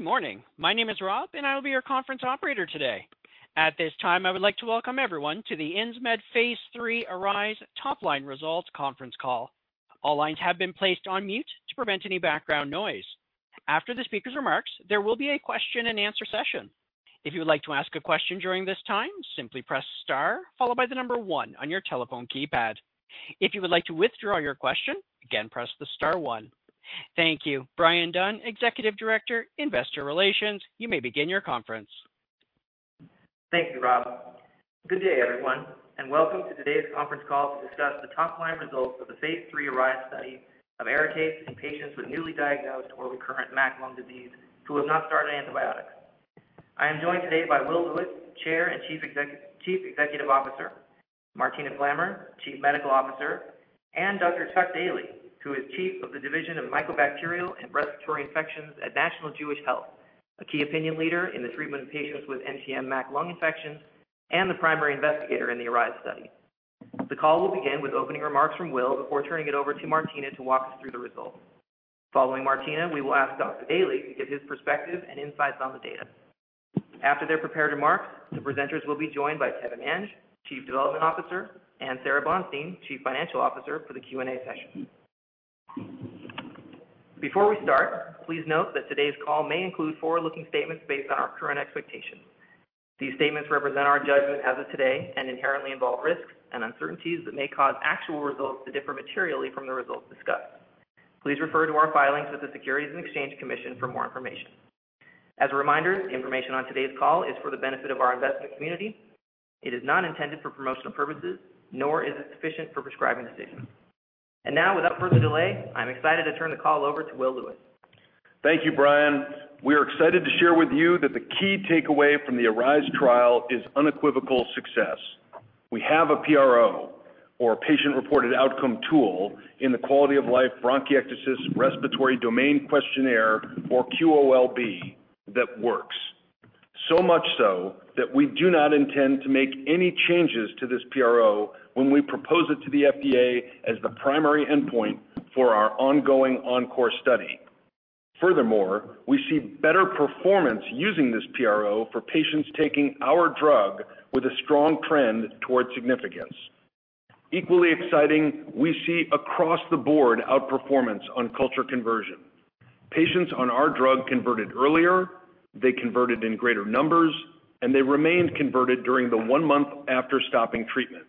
Good morning. My name is Rob, and I will be your conference operator today. At this time, I would like to welcome everyone to the Insmed Phase 3 ARISE Top Line Results conference call. All lines have been placed on mute to prevent any background noise. After the speaker's remarks, there will be a question-and-answer session. If you would like to ask a question during this time, simply press star followed by the number one on your telephone keypad. If you would like to withdraw your question, again, press the star one. Thank you. Bryan Dunn, Executive Director, Investor Relations, you may begin your conference. Thank you, Rob. Good day, everyone, and welcome to today's conference call to discuss the top-line results of the Phase 3 ARISE study of ARIKAYCE in patients with newly diagnosed or recurrent MAC lung disease who have not started antibiotics. I am joined today by Will Lewis, Chair and Chief Executive, Chief Executive Officer; Martina Flammer, Chief Medical Officer; and Dr. Chuck Daley, who is Chief of the Division of Mycobacterial and Respiratory Infections at National Jewish Health, a key opinion leader in the treatment of patients with NTM-MAC lung infections and the primary investigator in the ARISE study. The call will begin with opening remarks from Will before turning it over to Martina to walk us through the results. Following Martina, we will ask Dr. Daley to give his perspective and insights on the data. After their prepared remarks, the presenters will be joined by Kevin Mange, Chief Development Officer, and Sara Bonstein, Chief Financial Officer, for the Q&A session. Before we start, please note that today's call may include forward-looking statements based on our current expectations. These statements represent our judgment as of today and inherently involve risks and uncertainties that may cause actual results to differ materially from the results discussed. Please refer to our filings with the Securities and Exchange Commission for more information. As a reminder, the information on today's call is for the benefit of our investment community. It is not intended for promotional purposes, nor is it sufficient for prescribing decisions. Now, without further delay, I'm excited to turn the call over to Will Lewis. Thank you, Bryan. We are excited to share with you that the key takeaway from the ARISE trial is unequivocal success. We have a PRO, or patient-reported outcome tool, in the Quality of Life-Bronchiectasis Respiratory Domain questionnaire, or QOL-B, that works. So much so that we do not intend to make any changes to this PRO when we propose it to the FDA as the primary endpoint for our ongoing ENCORE study. Furthermore, we see better performance using this PRO for patients taking our drug with a strong trend towards significance. Equally exciting, we see across the board outperformance on culture conversion. Patients on our drug converted earlier, they converted in greater numbers, and they remained converted during the one month after stopping treatment.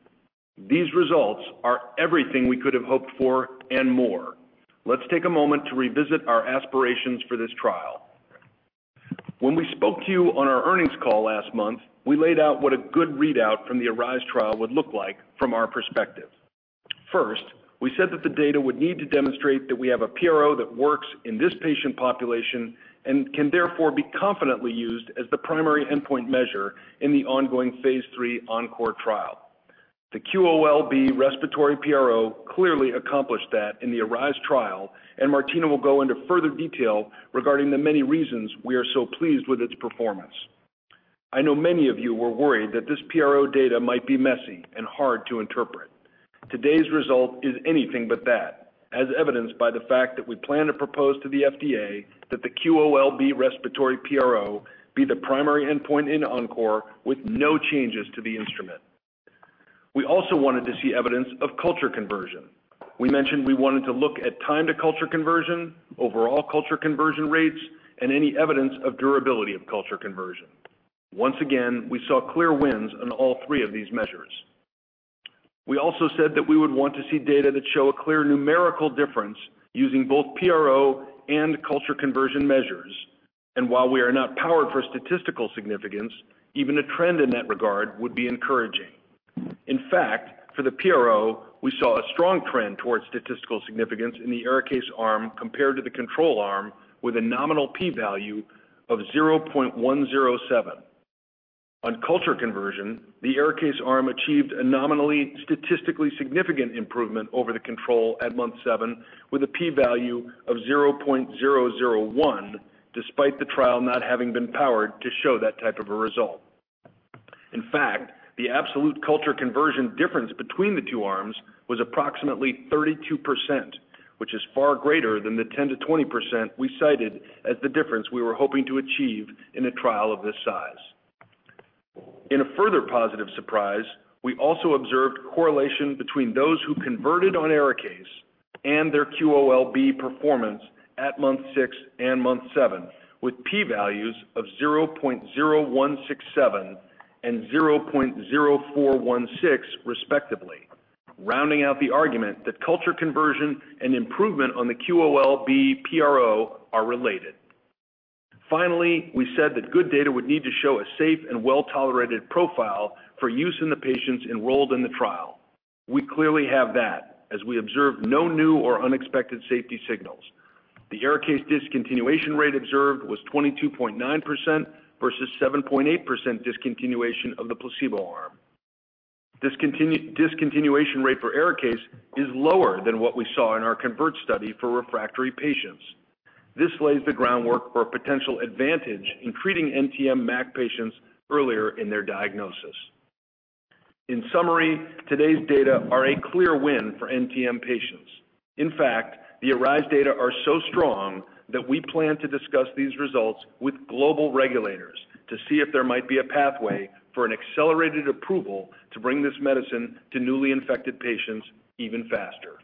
These results are everything we could have hoped for and more. Let's take a moment to revisit our aspirations for this trial. When we spoke to you on our earnings call last month, we laid out what a good readout from the ARISE trial would look like from our perspective. First, we said that the data would need to demonstrate that we have a PRO that works in this patient population and can therefore be confidently used as the primary endpoint measure in the ongoing Phase 3 ENCORE trial. The QOL-B respiratory PRO clearly accomplished that in the ARISE trial, and Martina will go into further detail regarding the many reasons we are so pleased with its performance. I know many of you were worried that this PRO data might be messy and hard to interpret. Today's result is anything but that, as evidenced by the fact that we plan to propose to the FDA that the QOL-B respiratory PRO be the primary endpoint in ENCORE with no changes to the instrument. We also wanted to see evidence of culture conversion. We mentioned we wanted to look at time to culture conversion, overall culture conversion rates, and any evidence of durability of culture conversion. Once again, we saw clear wins on all three of these measures. We also said that we would want to see data that show a clear numerical difference using both PRO and culture conversion measures, and while we are not powered for statistical significance, even a trend in that regard would be encouraging. In fact, for the PRO, we saw a strong trend towards statistical significance in the ARIKAYCE arm compared to the control arm, with a nominal P value of 0.107. On culture conversion, the ARIKAYCE arm achieved a nominally statistically significant improvement over the control at month seven, with a P value of 0.001, despite the trial not having been powered to show that type of a result. In fact, the absolute culture conversion difference between the two arms was approximately 32%, which is far greater than the 10%-20% we cited as the difference we were hoping to achieve in a trial of this size. In a further positive surprise, we also observed correlation between those who converted on ARIKAYCE and their QOL-B performance at month six and month seven, with P values of 0.0167 and 0.0416, respectively, rounding out the argument that culture conversion and improvement on the QOL-B PRO are related. Finally, we said that good data would need to show a safe and well-tolerated profile for use in the patients enrolled in the trial. We clearly have that, as we observed no new or unexpected safety signals. The ARIKAYCE discontinuation rate observed was 22.9% versus 7.8% discontinuation of the placebo arm. Discontinuation rate for ARIKAYCE is lower than what we saw in our CONVERT study for refractory patients. This lays the groundwork for a potential advantage in treating NTM-MAC patients earlier in their diagnosis. In summary, today's data are a clear win for NTM patients. In fact, the ARISE data are so strong that we plan to discuss these results with global regulators to see if there might be a pathway for an accelerated approval to bring this medicine to newly infected patients even faster.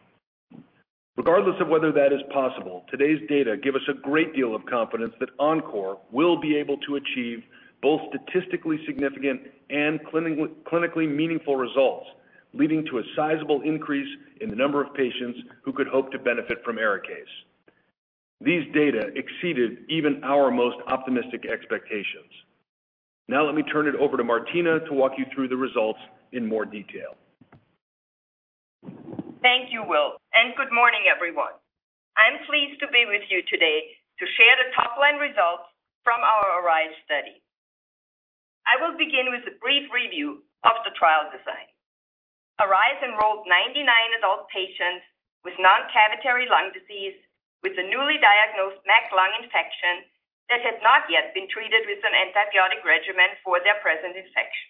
Regardless of whether that is possible, today's data give us a great deal of confidence that ENCORE will be able to achieve both statistically significant and clinically meaningful results, leading to a sizable increase in the number of patients who could hope to benefit from ARIKAYCE. These data exceeded even our most optimistic expectations. Now let me turn it over to Martina to walk you through the results in more detail. Thank you, Will, and good morning, everyone. I'm pleased to be with you today to share the top-line results from our ARISE study. I will begin with a brief review of the trial design. ARISE enrolled 99 adult patients with non-cavitary lung disease, with a newly diagnosed MAC lung infection that had not yet been treated with an antibiotic regimen for their present infection.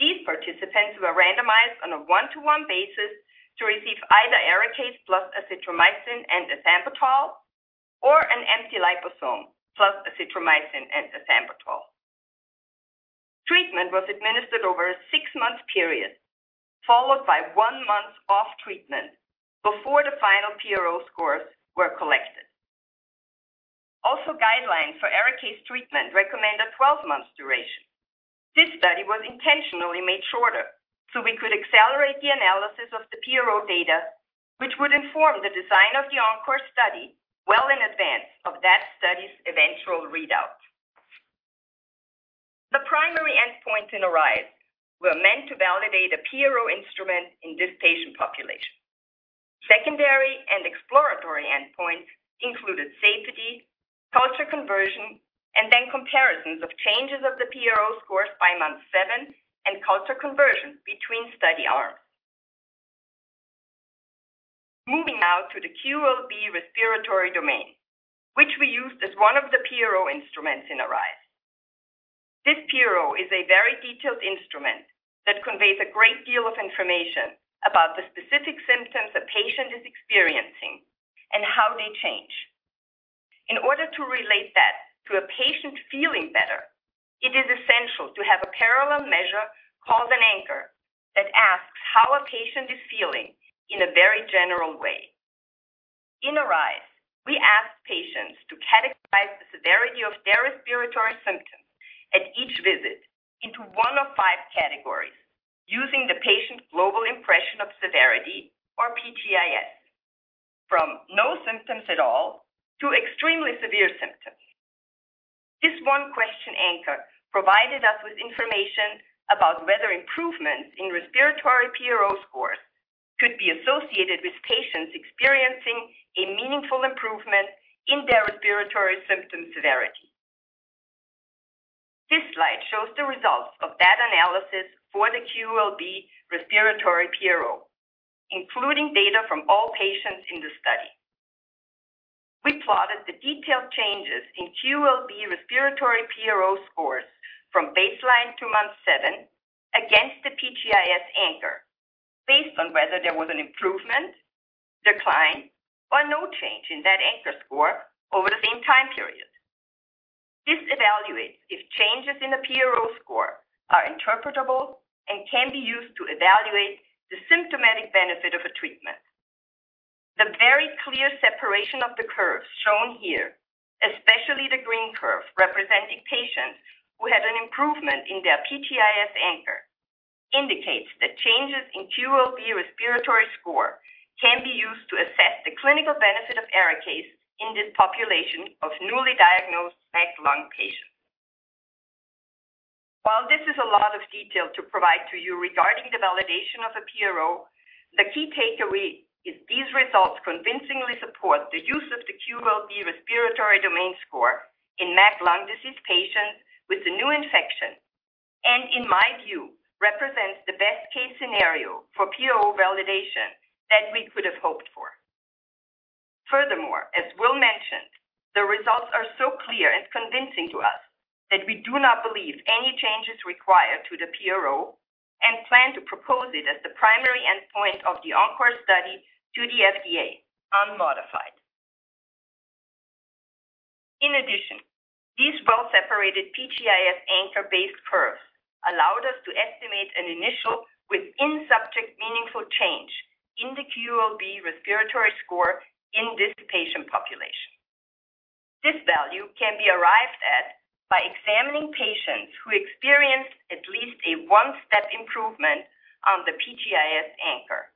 These participants were randomized on a 1-to-1 basis to receive either ARIKAYCE plus azithromycin and ethambutol, or an empty liposome plus azithromycin and ethambutol. Treatment was administered over a 6-month period, followed by 1 month off treatment before the final PRO scores were collected. Also, guidelines for ARIKAYCE treatment recommend a 12-month duration. This study was intentionally made shorter so we could accelerate the analysis of the PRO data, which would inform the design of the ENCORE study well in advance of that study's eventual readout. The primary endpoint in ARISE were meant to validate a PRO instrument in this patient population. Secondary and exploratory endpoints included safety, culture conversion, and then comparisons of changes of the PRO scores by month seven and culture conversion between study arms. Moving now to the QOL-B Respiratory Domain, which we used as one of the PRO instruments in ARISE. This PRO is a very detailed instrument that conveys a great deal of information about the specific symptoms a patient is experiencing and how they change. In order to relate that to a patient feeling better, it is essential to have a parallel measure, called an anchor, that asks how a patient is feeling in a very general way. In ARISE, we asked patients to categorize the severity of their respiratory symptoms at each visit into one of five categories, using the Patient Global Impression of Severity or PGIS, from no symptoms at all to extremely severe symptoms. This one question anchor provided us with information about whether improvements in respiratory PRO scores could be associated with patients experiencing a meaningful improvement in their respiratory symptom severity. This slide shows the results of that analysis for the QOL-B respiratory PRO, including data from all patients in the study. We plotted the detailed changes in QOL-B respiratory PRO scores from baseline to month seven against the PGIS anchor, based on whether there was an improvement, decline, or no change in that anchor score over the same time period. This evaluates if changes in the PRO score are interpretable and can be used to evaluate the symptomatic benefit of a treatment. The very clear separation of the curves shown here, especially the green curve representing patients who had an improvement in their PGIS anchor, indicates that changes in QOL-B respiratory score can be used to assess the clinical benefit of ARIKAYCE in this population of newly diagnosed MAC lung patients. While this is a lot of detail to provide to you regarding the validation of a PRO, the key takeaway is these results convincingly support the use of the QOL-B respiratory domain score in MAC lung disease patients with a new infection, and in my view, represents the best-case scenario for PRO validation that we could have hoped for. Furthermore, as Will mentioned, the results are so clear and convincing to us that we do not believe any change is required to the PRO and plan to propose it as the primary endpoint of the ENCORE study to the FDA unmodified. In addition, these well-separated PGIS anchor-based curves allowed us to estimate an initial within-subject meaningful change in the QOL-B respiratory score in this patient population. This value can be arrived at by examining patients who experienced at least a one-step improvement on the PGIS anchor.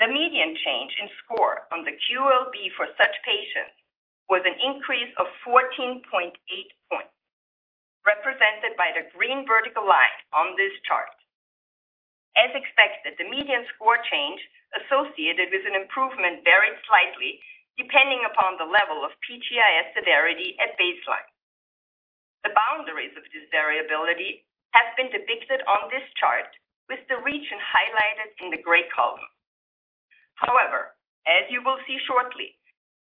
The median change in score on the QOL-B for such patients was an increase of 14.8 points, represented by the green vertical line on this chart. As expected, the median score change associated with an improvement varied slightly, depending upon the level of PGIS severity at baseline. The boundaries of this variability have been depicted on this chart, with the region highlighted in the gray column. However, as you will see shortly,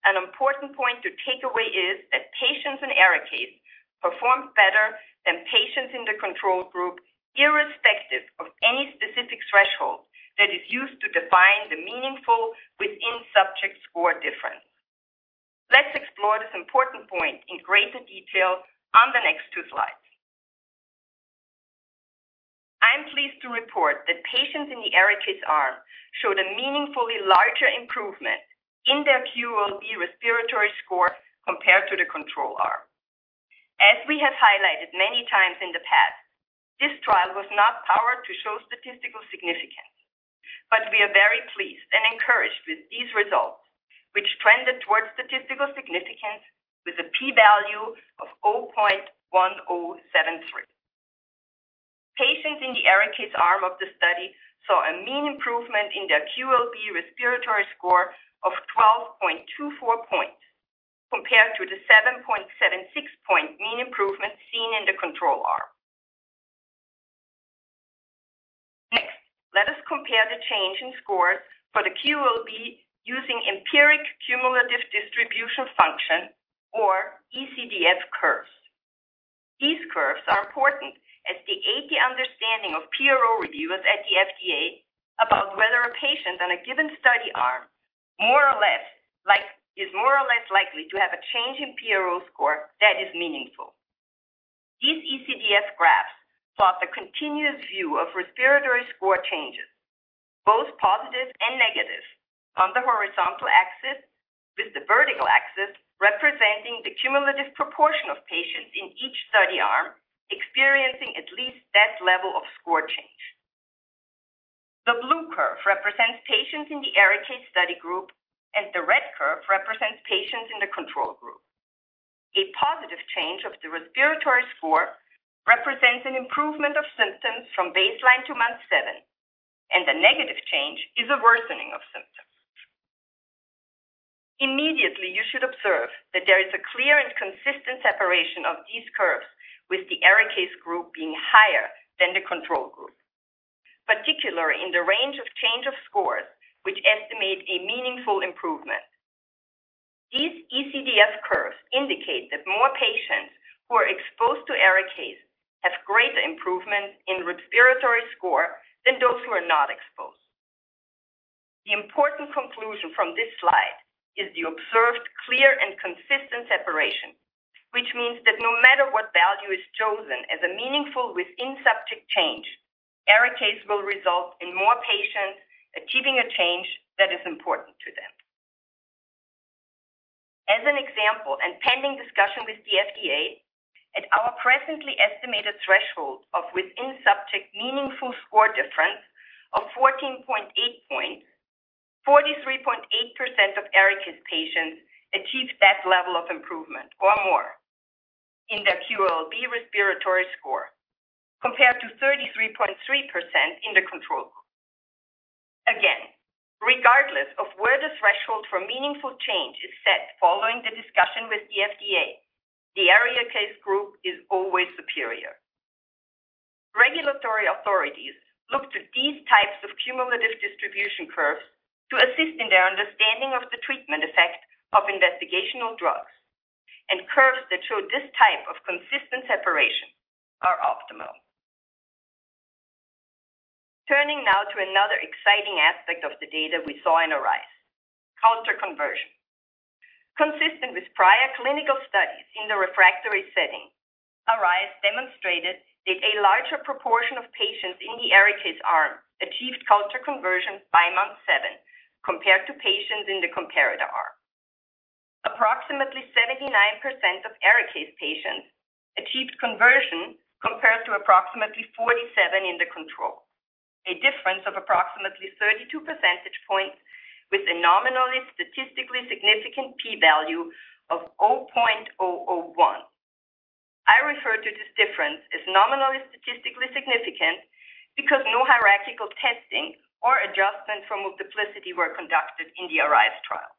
an important point to take away is that patients in ARIKAYCE performed better than patients in the control group, irrespective of any specific threshold that is used to define the meaningful within-subject score difference. Let's explore this important point in greater detail on the next two slides. I'm pleased to report that patients in the ARIKAYCE arm showed a meaningfully larger improvement in their QOL-B respiratory score compared to the control arm. As we have highlighted many times in the past, this trial was not powered to show statistical significance, but we are very pleased and encouraged with these results, which trended towards statistical significance with a P value of 0.1073. Patients in the ARIKAYCE arm of the study saw a mean improvement in their QOL-B respiratory score of 12.24 points, compared to the 7.76-point mean improvement seen in the control arm. Next, let us compare the change in scores for the QOL-B using empiric cumulative distribution function or ECDF curves. These curves are important as they aid the understanding of PRO reviewers at the FDA about whether a patient on a given study arm is more or less likely to have a change in PRO score that is meaningful. These ECDF graphs plot the continuous view of respiratory score changes, both positive and negative, on the horizontal axis, with the vertical axis representing the cumulative proportion of patients in each study arm experiencing at least that level of score change. The blue curve represents patients in the ARIKAYCE study group, and the red curve represents patients in the control group. A positive change of the respiratory score represents an improvement of symptoms from baseline to month seven, and a negative change is a worsening of symptoms. Immediately, you should observe that there is a clear and consistent separation of these curves, with the ARIKAYCE group being higher than the control group, particularly in the range of change of scores, which estimate a meaningful improvement. These ECDF curves indicate that more patients who are exposed to ARIKAYCE have greater improvement in respiratory score than those who are not exposed. The important conclusion from this slide is the observed clear and consistent separation, which means that no matter what value is chosen as a meaningful within-subject change, ARIKAYCE will result in more patients achieving a change that is important to them. As an example, and pending discussion with the FDA, at our presently estimated threshold of within-subject meaningful score difference of 14.8 points, 43.8% of ARIKAYCE patients achieved that level of improvement or more in their QOL-B respiratory score, compared to 33.3% in the control group. Again, regardless of where the threshold for meaningful change is set following the discussion with the FDA, the ARIKAYCE group is always superior. Regulatory authorities look to these types of cumulative distribution curves to assist in their understanding of the treatment effect of investigational drugs, and curves that show this type of consistent separation are optimal. Turning now to another exciting aspect of the data we saw in ARISE, culture conversion. Consistent with prior clinical studies in the refractory setting, ARISE demonstrated that a larger proportion of patients in the ARIKAYCE arm achieved culture conversion by month 7 compared to patients in the comparator arm. Approximately 79% of ARIKAYCE patients achieved conversion, compared to approximately 47% in the control, a difference of approximately 32 percentage points with a nominally statistically significant P value of 0.001. I refer to this difference as nominally statistically significant because no hierarchical testing or adjustment for multiplicity were conducted in the ARISE trial.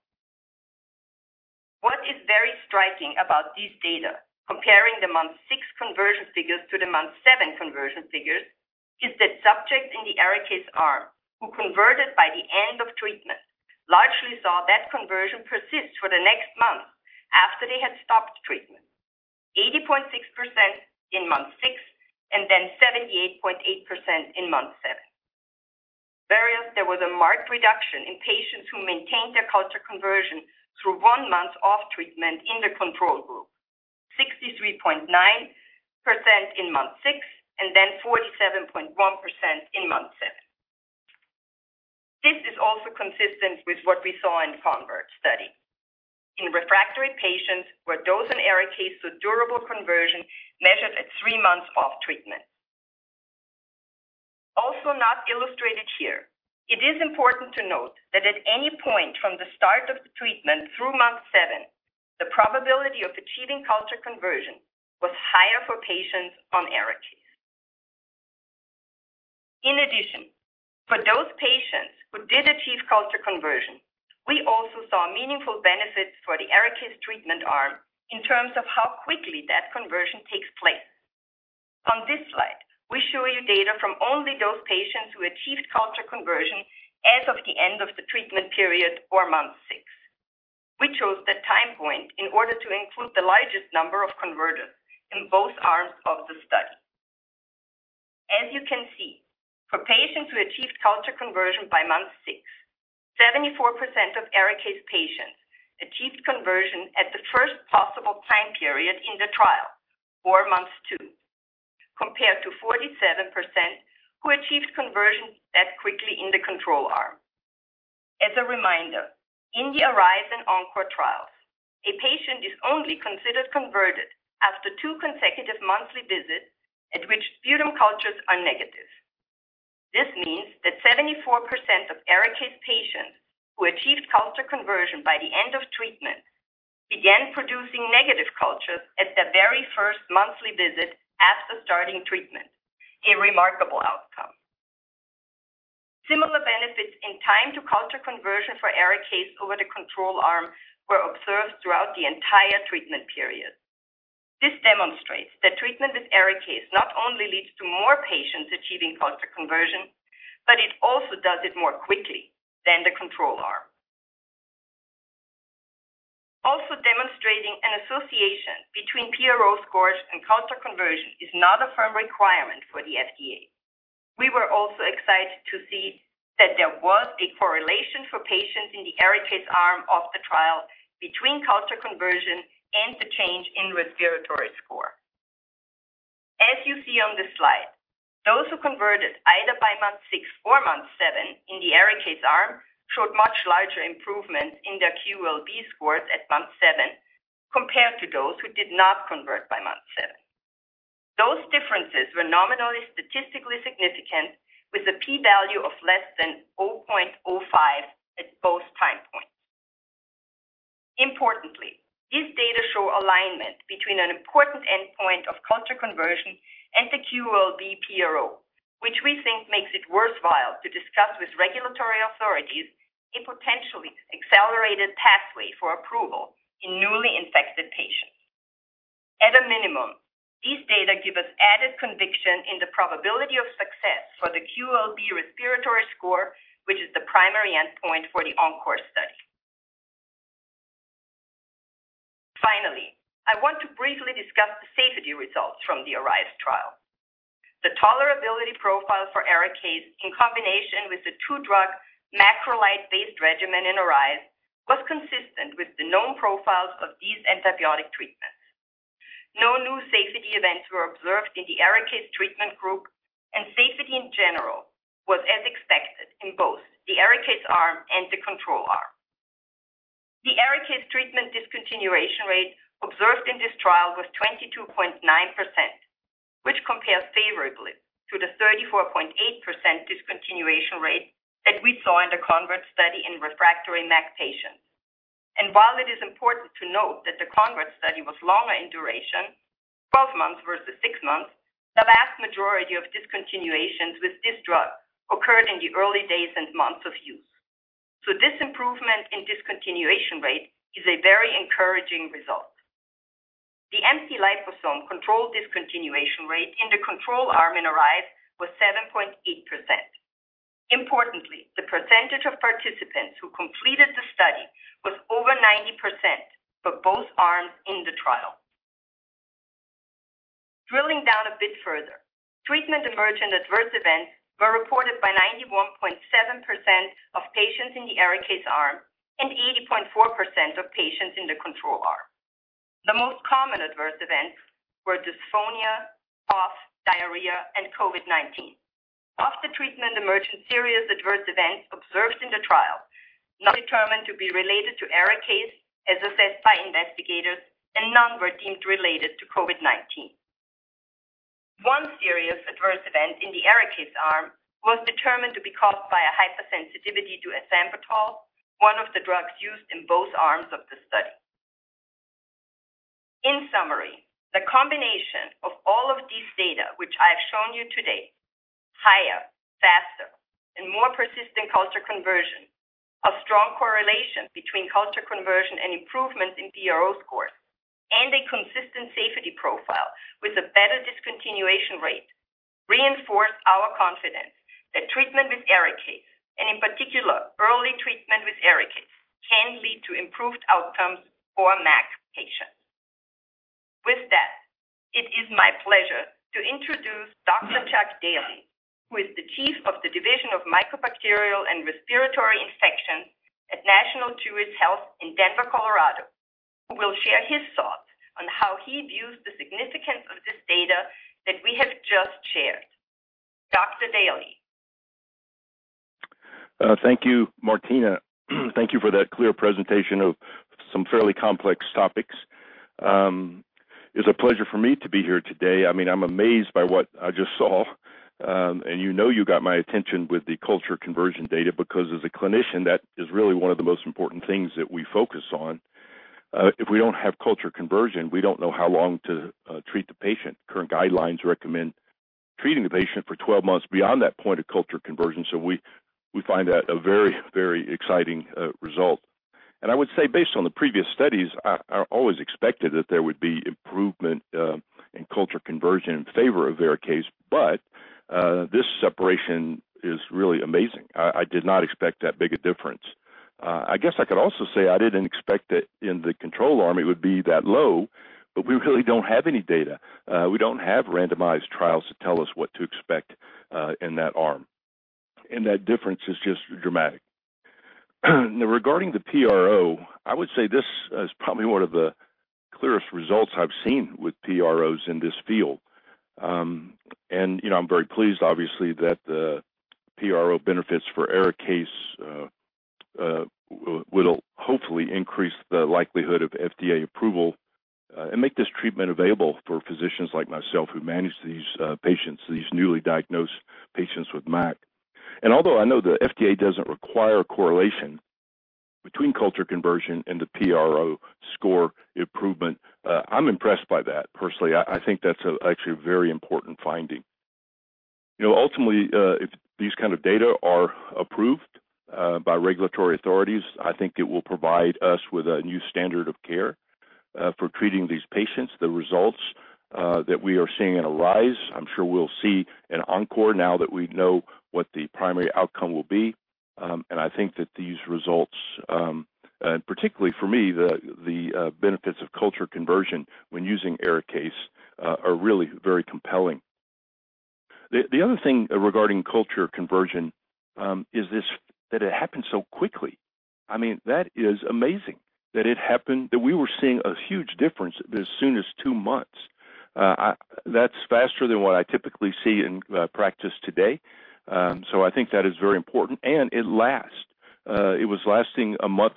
What is very striking about these data, comparing the month 6 conversion figures to the month 7 conversion figures, is that subjects in the ARIKAYCE arm who converted by the end of treatment largely saw that conversion persist for the next month after they had stopped treatment. 80.6% in month 6 and then 78.8% in month 7. Whereas, there was a marked reduction in patients who maintained their culture conversion through 1 month off treatment in the control group, 63.9% in month 6 and then 47.1% in month 7. This is also consistent with what we saw in CONVERT study. In refractory patients where those in ARIKAYCE with durable conversion measured at 3 months off treatment. Also not illustrated here, it is important to note that at any point from the start of the treatment through month 7, the probability of achieving culture conversion was higher for patients on ARIKAYCE. In addition, for those patients who did achieve culture conversion, we also saw meaningful benefits for the ARIKAYCE treatment arm in terms of how quickly that conversion takes place. On this slide, we show you data from only those patients who achieved culture conversion as of the end of the treatment period or month six. We chose the time point in order to include the largest number of converters in both arms of the study. As you can see, for patients who achieved culture conversion by month six, 74% of ARIKAYCE patients achieved conversion at the first possible time period in the trial, or month two, compared to 47% who achieved conversion as quickly in the control arm. As a reminder, in the ARISE and ENCORE trials, a patient is only considered converted after two consecutive monthly visits at which sputum cultures are negative. This means that 74% of ARIKAYCE patients who achieved culture conversion by the end of treatment began producing negative cultures at their very first monthly visit after starting treatment, a remarkable outcome. Similar benefits in time to culture conversion for ARIKAYCE over the control arm were observed throughout the entire treatment period. This demonstrates that treatment with ARIKAYCE not only leads to more patients achieving culture conversion, but it also does it more quickly than the control arm. Also demonstrating an association between PRO scores and culture conversion is not a firm requirement for the FDA. We were also excited to see that there was a correlation for patients in the ARIKAYCE arm of the trial between culture conversion and the change in respiratory score. As you see on this slide, those who converted either by month 6 or month 7 in the ARIKAYCE arm showed much larger improvement in their QOL-B scores at month 7 compared to those who did not convert by month 7. Those differences were nominally statistically significant, with a P value of less than 0.05 at both time points. Importantly, these data show alignment between an important endpoint of culture conversion and the QOL-B PRO, which we think makes it worthwhile to discuss with regulatory authorities a potentially accelerated pathway for approval in newly infected patients. At a minimum, these data give us added conviction in the probability of success for the QOL-B respiratory score, which is the primary endpoint for the ENCORE study. Finally, I want to briefly discuss the safety results from the ARISE trial. The tolerability profile for ARIKAYCE, in combination with the two-drug macrolide-based regimen in ARISE, was consistent with the known profiles of these antibiotic treatments. No new safety events were observed in the ARIKAYCE treatment group, and safety in general was as expected in both the ARIKAYCE arm and the control arm. The ARIKAYCE treatment discontinuation rate observed in this trial was 22.9%, which compares favorably to the 34.8% discontinuation rate that we saw in the CONVERT study in refractory MAC patients. And while it is important to note that the CONVERT study was longer in duration, 12 months versus 6 months, the vast majority of discontinuations with this drug occurred in the early days and months of use. So this improvement in discontinuation rate is a very encouraging result. The empty liposome controlled discontinuation rate in the control arm in ARISE was 7.8%. Importantly, the percentage of participants who completed the study was over 90% for both arms in the trial. Drilling down a bit further, treatment-emergent adverse events were reported by 91.7% of patients in the ARIKAYCE arm and 80.4% of patients in the control arm. The most common adverse events were dysphonia, cough, diarrhea, and COVID-19. No treatment-emergent serious adverse events observed in the trial not determined to be related to ARIKAYCE, as assessed by investigators, and none were deemed related to COVID-19. One serious adverse event in the ARIKAYCE arm was determined to be caused by a hypersensitivity to ethambutol, one of the drugs used in both arms of the study. In summary, the combination of all of these data, which I have shown you today—higher, faster, and more persistent culture conversion. A strong correlation between culture conversion and improvement in PRO score, and a consistent safety profile with a better discontinuation rate, reinforce our confidence that treatment with ARIKAYCE, and in particular, early treatment with ARIKAYCE, can lead to improved outcomes for MAC patients. With that, it is my pleasure to introduce Dr. Chuck Daley, who is the Chief of the Division of Mycobacterial and Respiratory Infections at National Jewish Health in Denver, Colorado, who will share his thoughts on how he views the significance of this data that we have just shared. Dr. Daley? Thank you, Martina. Thank you for that clear presentation of some fairly complex topics. It's a pleasure for me to be here today. I mean, I'm amazed by what I just saw. And you know, you got my attention with the culture conversion data, because as a clinician, that is really one of the most important things that we focus on. If we don't have culture conversion, we don't know how long to treat the patient. Current guidelines recommend treating the patient for 12 months beyond that point of culture conversion. So we find that a very, very exciting result. And I would say based on the previous studies, I always expected that there would be improvement in culture conversion in favor of ARIKAYCE, but this separation is really amazing. I did not expect that big a difference. I guess I could also say I didn't expect it in the control arm, it would be that low, but we really don't have any data. We don't have randomized trials to tell us what to expect in that arm, and that difference is just dramatic. Now, regarding the PRO, I would say this is probably one of the clearest results I've seen with PROs in this field. And, you know, I'm very pleased, obviously, that the PRO benefits for ARIKAYCE will hopefully increase the likelihood of FDA approval and make this treatment available for physicians like myself, who manage these patients, these newly diagnosed patients with MAC. Although I know the FDA doesn't require a correlation between culture conversion and the PRO score improvement, I'm impressed by that. Personally, I think that's actually a very important finding. You know, ultimately, if these kind of data are approved by regulatory authorities, I think it will provide us with a new standard of care for treating these patients. The results that we are seeing in ARISE, I'm sure we'll see in ENCORE now that we know what the primary outcome will be. And I think that these results, and particularly for me, the benefits of culture conversion when using ARIKAYCE, are really very compelling. The other thing regarding culture conversion is that it happened so quickly. I mean, that is amazing that it happened, that we were seeing a huge difference as soon as 2 months. That's faster than what I typically see in practice today. So I think that is very important, and it lasts. It was lasting a month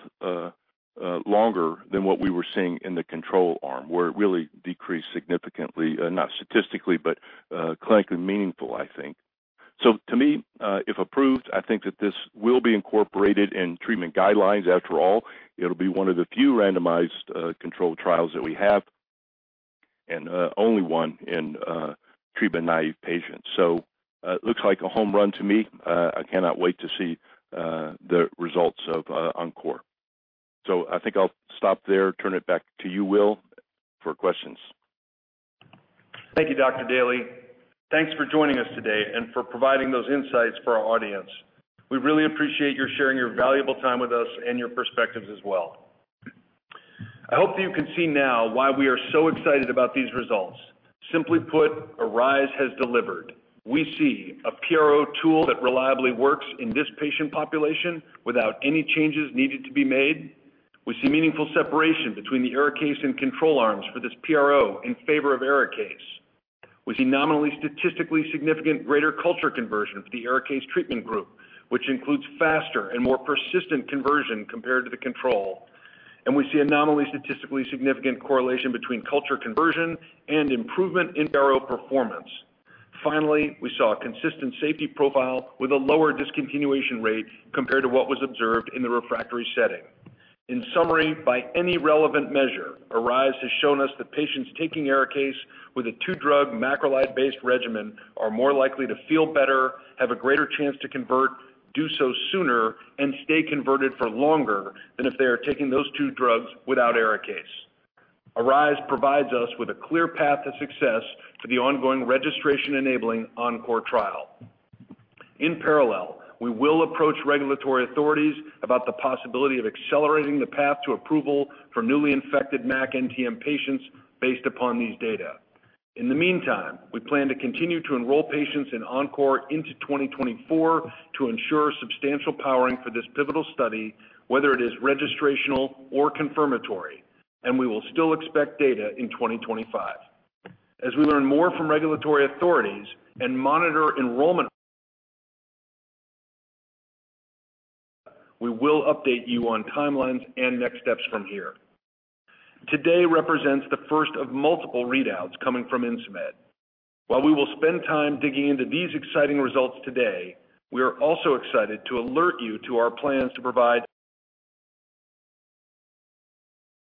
longer than what we were seeing in the control arm, where it really decreased significantly, not statistically, but clinically meaningful, I think. So to me, if approved, I think that this will be incorporated in treatment guidelines. After all, it'll be one of the few randomized controlled trials that we have and only one in treatment-naive patients. So it looks like a home run to me. I cannot wait to see the results of ENCORE. So I think I'll stop there and turn it back to you, Will, for questions. Thank you, Dr. Daley. Thanks for joining us today and for providing those insights for our audience. We really appreciate your sharing your valuable time with us and your perspectives as well. I hope that you can see now why we are so excited about these results. Simply put, ARISE has delivered. We see a PRO tool that reliably works in this patient population without any changes needed to be made. We see meaningful separation between the ARIKAYCE and control arms for this PRO in favor of ARIKAYCE. We see nominally statistically significant greater culture conversion for the ARIKAYCE treatment group, which includes faster and more persistent conversion compared to the control. And we see a nominally statistically significant correlation between culture conversion and improvement in PRO performance. Finally, we saw a consistent safety profile with a lower discontinuation rate compared to what was observed in the refractory setting. In summary, by any relevant measure, ARISE has shown us that patients taking ARIKAYCE with a two-drug macrolide-based regimen are more likely to feel better, have a greater chance to convert, do so sooner, and stay converted for longer than if they are taking those two drugs without ARIKAYCE. ARISE provides us with a clear path to success for the ongoing registration-enabling ENCORE trial. In parallel, we will approach regulatory authorities about the possibility of accelerating the path to approval for newly infected MAC-NTM patients based upon these data. In the meantime, we plan to continue to enroll patients in ENCORE into 2024 to ensure substantial powering for this pivotal study, whether it is registrational or confirmatory, and we will still expect data in 2025. As we learn more from regulatory authorities and monitor enrollment, we will update you on timelines and next steps from here. Today represents the first of multiple readouts coming from Insmed. While we will spend time digging into these exciting results today, we are also excited to alert you to our plans to provide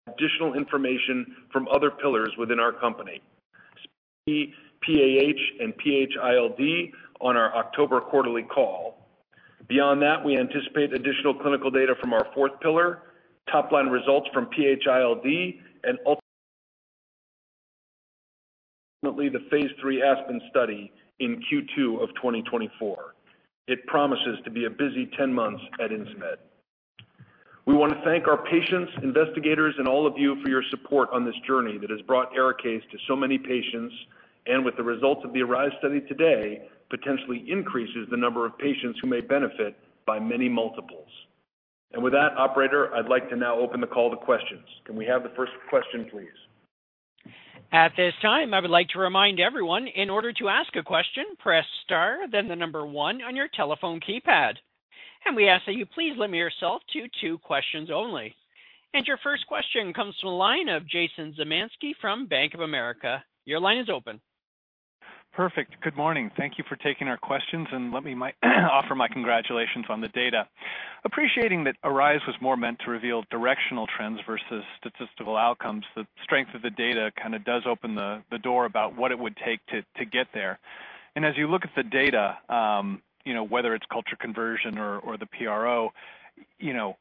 additional information from other pillars within our company, namely PAH and PH-ILD, on our October quarterly call. Beyond that, we anticipate additional clinical data from our fourth pillar, top-line results from PH-ILD, and ultimately, the phase 3 ASPEN study in Q2 of 2024. It promises to be a busy 10 months at Insmed. We want to thank our patients, investigators, and all of you for your support on this journey that has brought ARIKAYCE to so many patients, and with the results of the ARISE study today, potentially increases the number of patients who may benefit by many multiples. And with that, operator, I'd like to now open the call to questions. Can we have the first question, please? At this time, I would like to remind everyone, in order to ask a question, press star, then the number one on your telephone keypad. We ask that you please limit yourself to two questions only. Your first question comes from the line of Jason Zemansky from Bank of America. Your line is open. Perfect. Good morning. Thank you for taking our questions, and let me offer my congratulations on the data... appreciating that ARISE was more meant to reveal directional trends versus statistical outcomes, the strength of the data kind of does open the door about what it would take to get there. And as you look at the data, you know, whether it's culture conversion or the PRO, you know,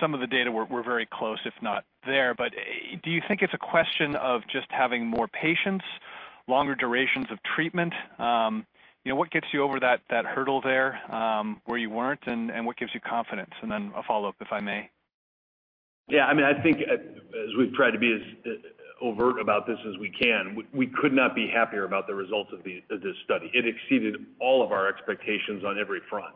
some of the data were very close, if not there. But do you think it's a question of just having more patients, longer durations of treatment? You know, what gets you over that hurdle there, where you weren't, and what gives you confidence? And then a follow-up, if I may. Yeah, I mean, I think, as we've tried to be as overt about this as we can, we could not be happier about the results of this study. It exceeded all of our expectations on every front.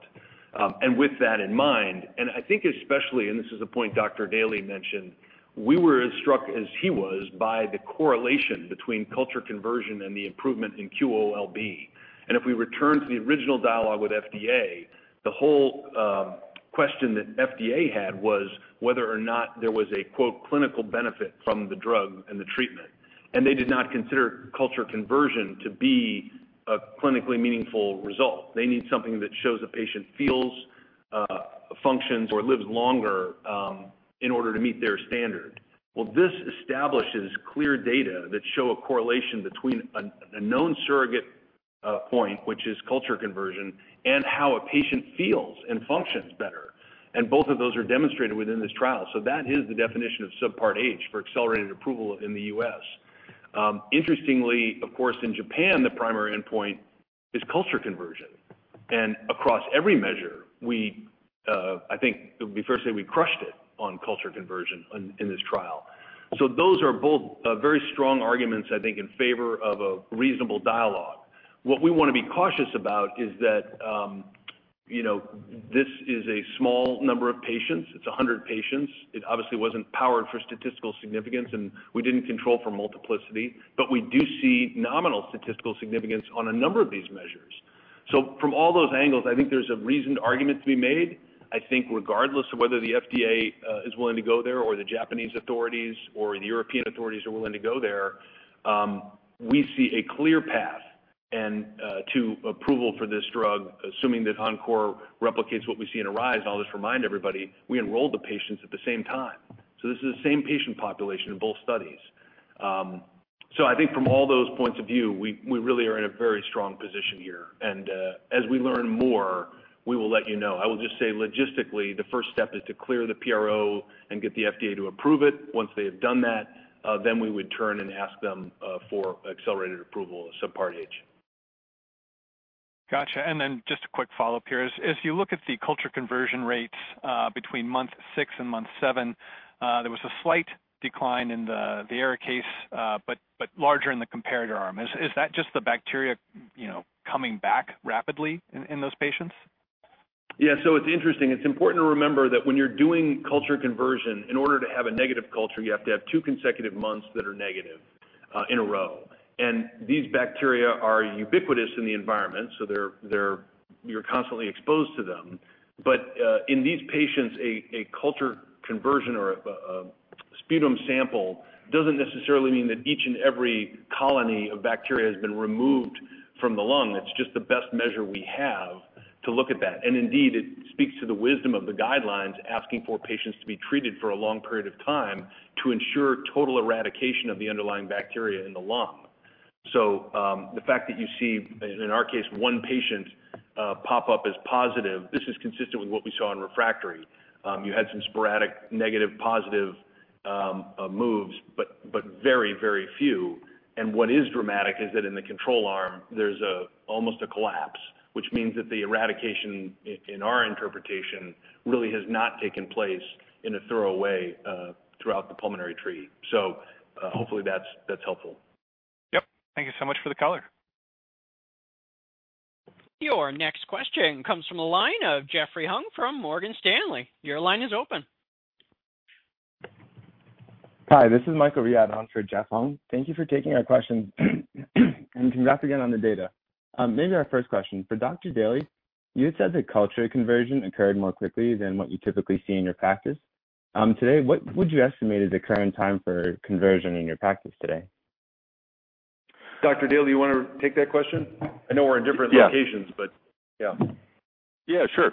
And with that in mind, and I think especially, and this is a point Dr. Daley mentioned, we were as struck as he was by the correlation between culture conversion and the improvement in QOL-B. And if we return to the original dialogue with FDA, the whole question that FDA had was whether or not there was a, quote, "clinical benefit" from the drug and the treatment, and they did not consider culture conversion to be a clinically meaningful result. They need something that shows a patient feels, functions, or lives longer, in order to meet their standard. Well, this establishes clear data that show a correlation between a known surrogate point, which is culture conversion, and how a patient feels and functions better, and both of those are demonstrated within this trial. So that is the definition of Subpart H for accelerated approval in the U.S. Interestingly, of course, in Japan, the primary endpoint is culture conversion. And across every measure, we, I think it would be fair to say we crushed it on culture conversion in this trial. So those are both very strong arguments, I think, in favor of a reasonable dialogue. What we want to be cautious about is that, you know, this is a small number of patients. It's 100 patients. It obviously wasn't powered for statistical significance, and we didn't control for multiplicity. But we do see nominal statistical significance on a number of these measures. So from all those angles, I think there's a reasoned argument to be made. I think regardless of whether the FDA is willing to go there, or the Japanese authorities, or the European authorities are willing to go there, we see a clear path and to approval for this drug, assuming that ENCORE replicates what we see in ARISE. And I'll just remind everybody, we enrolled the patients at the same time, so this is the same patient population in both studies. So I think from all those points of view, we, we really are in a very strong position here, and as we learn more, we will let you know. I will just say logistically, the first step is to clear the PRO and get the FDA to approve it. Once they have done that, then we would turn and ask them for accelerated approval of Subpart H. Gotcha. Then just a quick follow-up here. As you look at the culture conversion rates between month 6 and month 7, there was a slight decline in the ARIKAYCE, but larger in the comparator arm. Is that just the bacteria, you know, coming back rapidly in those patients? Yeah. It's interesting. It's important to remember that when you're doing culture conversion, in order to have a negative culture, you have to have two consecutive months that are negative in a row. And these bacteria are ubiquitous in the environment, so they're, you're constantly exposed to them. But in these patients, a culture conversion or a sputum sample doesn't necessarily mean that each and every colony of bacteria has been removed from the lung. It's just the best measure we have to look at that. And indeed, it speaks to the wisdom of the guidelines, asking for patients to be treated for a long period of time to ensure total eradication of the underlying bacteria in the lung. So, the fact that you see, in our case, one patient pop up as positive, this is consistent with what we saw in refractory. You had some sporadic negative, positive moves, but very, very few. And what is dramatic is that in the control arm, there's almost a collapse, which means that the eradication, in our interpretation, really has not taken place in a thorough way throughout the pulmonary tree. So, hopefully, that's helpful. Yep. Thank you so much for the color. Your next question comes from the line of Jeffrey Hung from Morgan Stanley. Your line is open. Hi, this is Michael Riad on for Jeff Hung. Thank you for taking our questions, and congrats again on the data. Maybe our first question, for Dr. Daley, you had said that culture conversion occurred more quickly than what you typically see in your practice. Today, what would you estimate is the current time for conversion in your practice today? Dr. Daley, do you want to take that question? I know we're in different locations- Yeah. But yeah. Yeah, sure.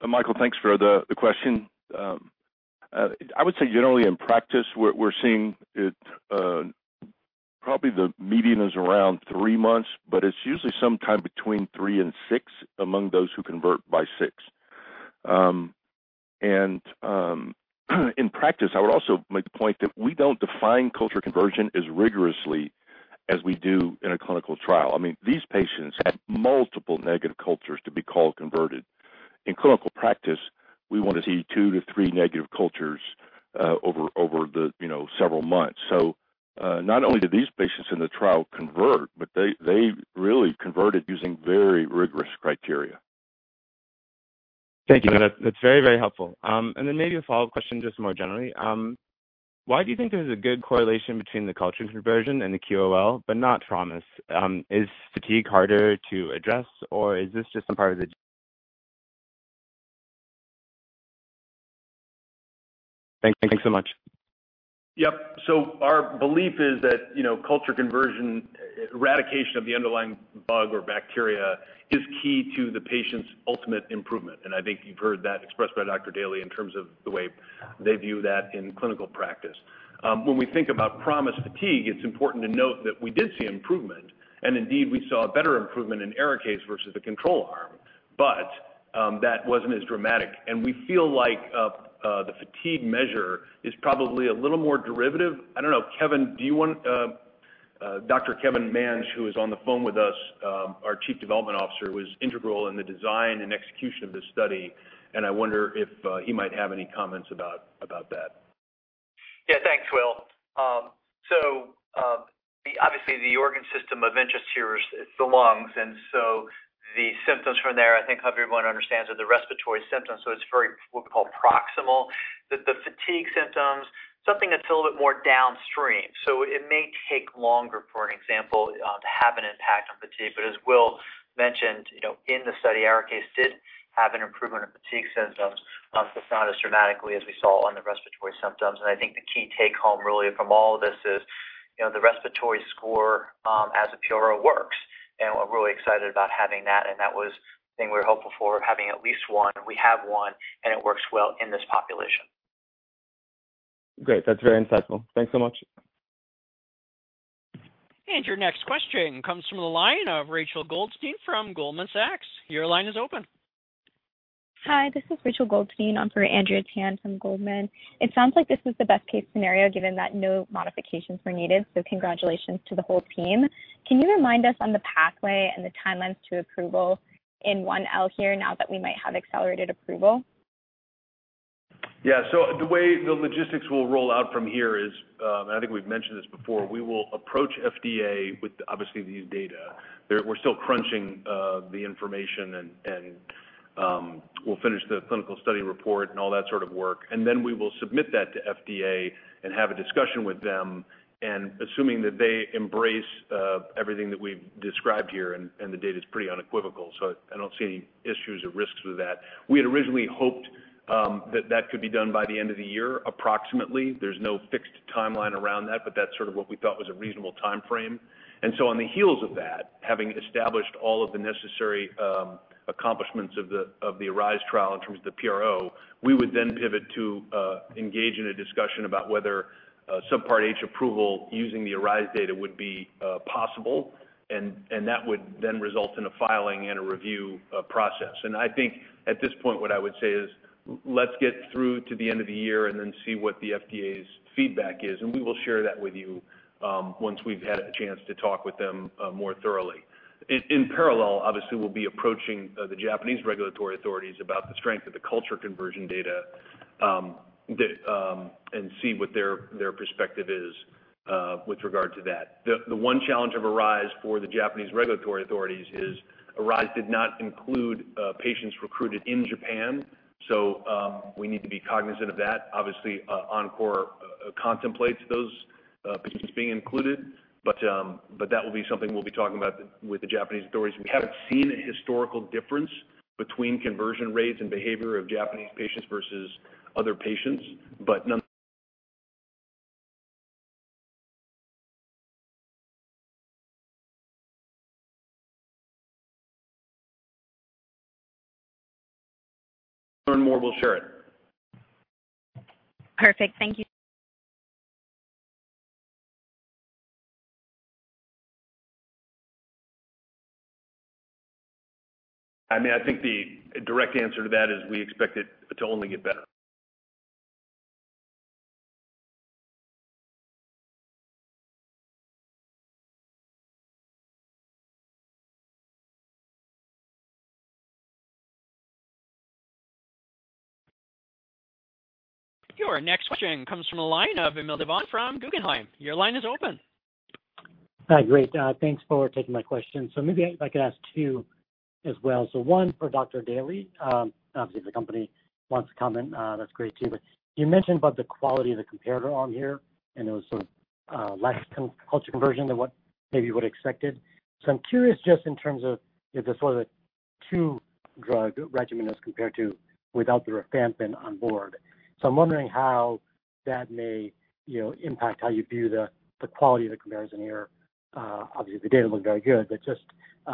Michael, thanks for the question. I would say generally in practice, we're seeing it. Probably the median is around three months, but it's usually sometime between three and six, among those who convert by six. And in practice, I would also make the point that we don't define culture conversion as rigorously as we do in a clinical trial. I mean, these patients had multiple negative cultures to be called converted. In clinical practice, we want to see two to three negative cultures over the, you know, several months. So, not only did these patients in the trial convert, but they really converted using very rigorous criteria. Thank you. That's, that's very, very helpful. And then maybe a follow-up question, just more generally. Why do you think there's a good correlation between the culture conversion and the QOL, but not from this? Is fatigue harder to address, or is this just some part of the-?... Thanks so much. Yep. So our belief is that, you know, culture conversion, eradication of the underlying bug or bacteria is key to the patient's ultimate improvement. And I think you've heard that expressed by Dr. Daley in terms of the way they view that in clinical practice. When we think about PROMIS Fatigue, it's important to note that we did see improvement, and indeed, we saw a better improvement in ARISE versus the control arm. But that wasn't as dramatic, and we feel like the fatigue measure is probably a little more derivative. I don't know. Kevin, do you want Dr. Kevin Mange, who is on the phone with us, our Chief Development Officer, was integral in the design and execution of this study, and I wonder if he might have any comments about that. Yeah. Thanks, Will. So, obviously, the organ system of interest here is the lungs, and so the symptoms from there, I think everyone understands, are the respiratory symptoms. So it's very, what we call proximal. The fatigue symptoms, something that's a little bit more downstream. So it may take longer, for an example, to have an impact on fatigue. But as Will mentioned, you know, in the study, ARISE did have an improvement of fatigue symptoms, but not as dramatically as we saw on the respiratory symptoms. And I think the key take-home really from all of this is, you know, the respiratory score, as a PRO works, and we're really excited about having that, and that was the thing we're hopeful for, having at least one. We have one, and it works well in this population. Great. That's very insightful. Thanks so much. Your next question comes from the line of Rachel Goldstein from Goldman Sachs. Your line is open. Hi, this is Rachel Goldstein. I'm for Andrea Tan from Goldman. It sounds like this is the best-case scenario, given that no modifications were needed, so congratulations to the whole team. Can you remind us on the pathway and the timelines to approval in Japan here, now that we might have accelerated approval? Yeah. So the way the logistics will roll out from here is, and I think we've mentioned this before, we will approach FDA with obviously these data. We're still crunching the information, and we'll finish the clinical study report and all that sort of work, and then we will submit that to FDA and have a discussion with them. And assuming that they embrace everything that we've described here, and the data is pretty unequivocal, so I don't see any issues or risks with that. We had originally hoped that that could be done by the end of the year, approximately. There's no fixed timeline around that, but that's sort of what we thought was a reasonable timeframe. And so on the heels of that, having established all of the necessary accomplishments of the ARISE trial in terms of the PRO, we would then pivot to engage in a discussion about whether Subpart H approval using the ARISE data would be possible, and that would then result in a filing and a review process. And I think at this point, what I would say is, let's get through to the end of the year and then see what the FDA's feedback is, and we will share that with you once we've had a chance to talk with them more thoroughly. In parallel, obviously, we'll be approaching the Japanese regulatory authorities about the strength of the culture conversion data and see what their perspective is with regard to that. The one challenge of ARISE for the Japanese regulatory authorities is ARISE did not include patients recruited in Japan, so we need to be cognizant of that. Obviously, Encore contemplates those patients being included, but that will be something we'll be talking about with the Japanese authorities. We haven't seen a historical difference between conversion rates and behavior of Japanese patients versus other patients, but nonetheless we'll learn more, we'll share it. Perfect. Thank you. I mean, I think the direct answer to that is we expect it to only get better. Your next question comes from the line of Vamil Divan from Guggenheim. Your line is open. Hi. Great. Thanks for taking my question. So maybe I could ask two as well. So one for Dr. Daley. Obviously, if the company wants to comment, that's great too. But you mentioned about the quality of the comparator on here, and it was less culture conversion than what maybe you would expected. So I'm curious, just in terms of if this was a two-drug regimen as compared to without the rifampin on board. So I'm wondering how that may, you know, impact how you view the quality of the comparison here. Obviously, the data looked very good, but just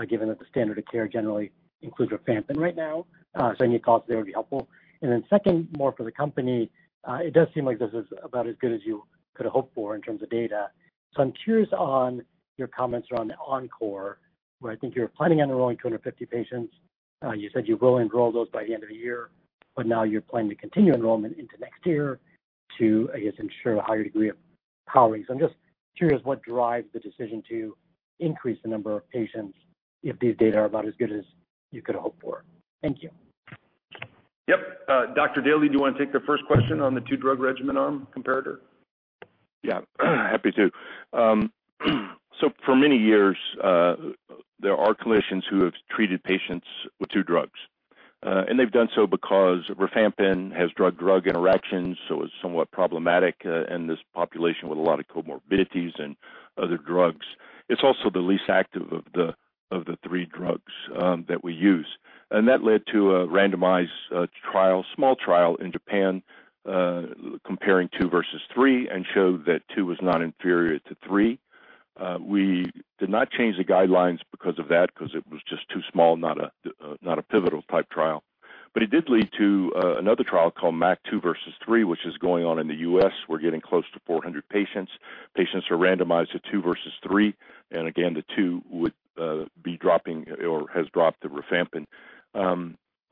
given that the standard of care generally includes rifampin right now, so any thoughts there would be helpful. And then second, more for the company, it does seem like this is about as good as you could hope for in terms of data. So I'm curious on your comments around the ENCORE, where I think you're planning on enrolling 250 patients. You said you will enroll those by the end of the year, but now you're planning to continue enrollment into next year to, I guess, ensure a higher degree of power. So I'm just curious what drives the decision to increase the number of patients if these data are about as good as you could hope for? Thank you. Yep. Dr. Daley, do you want to take the first question on the two-drug regimen arm comparator? Yeah, happy to. So for many years, there are clinicians who have treated patients with two drugs, and they've done so because rifampin has drug-drug interactions, so it's somewhat problematic in this population with a lot of comorbidities and other drugs. It's also the least active of the three drugs that we use.... That led to a randomized, small trial in Japan, comparing 2 versus 3, and showed that 2 was not inferior to 3. We did not change the guidelines because of that, because it was just too small, not a pivotal type trial. But it did lead to another trial called MAC 2 versus 3, which is going on in the U.S. We're getting close to 400 patients. Patients are randomized to 2 versus 3, and again, the 2 would be dropping or has dropped the rifampin.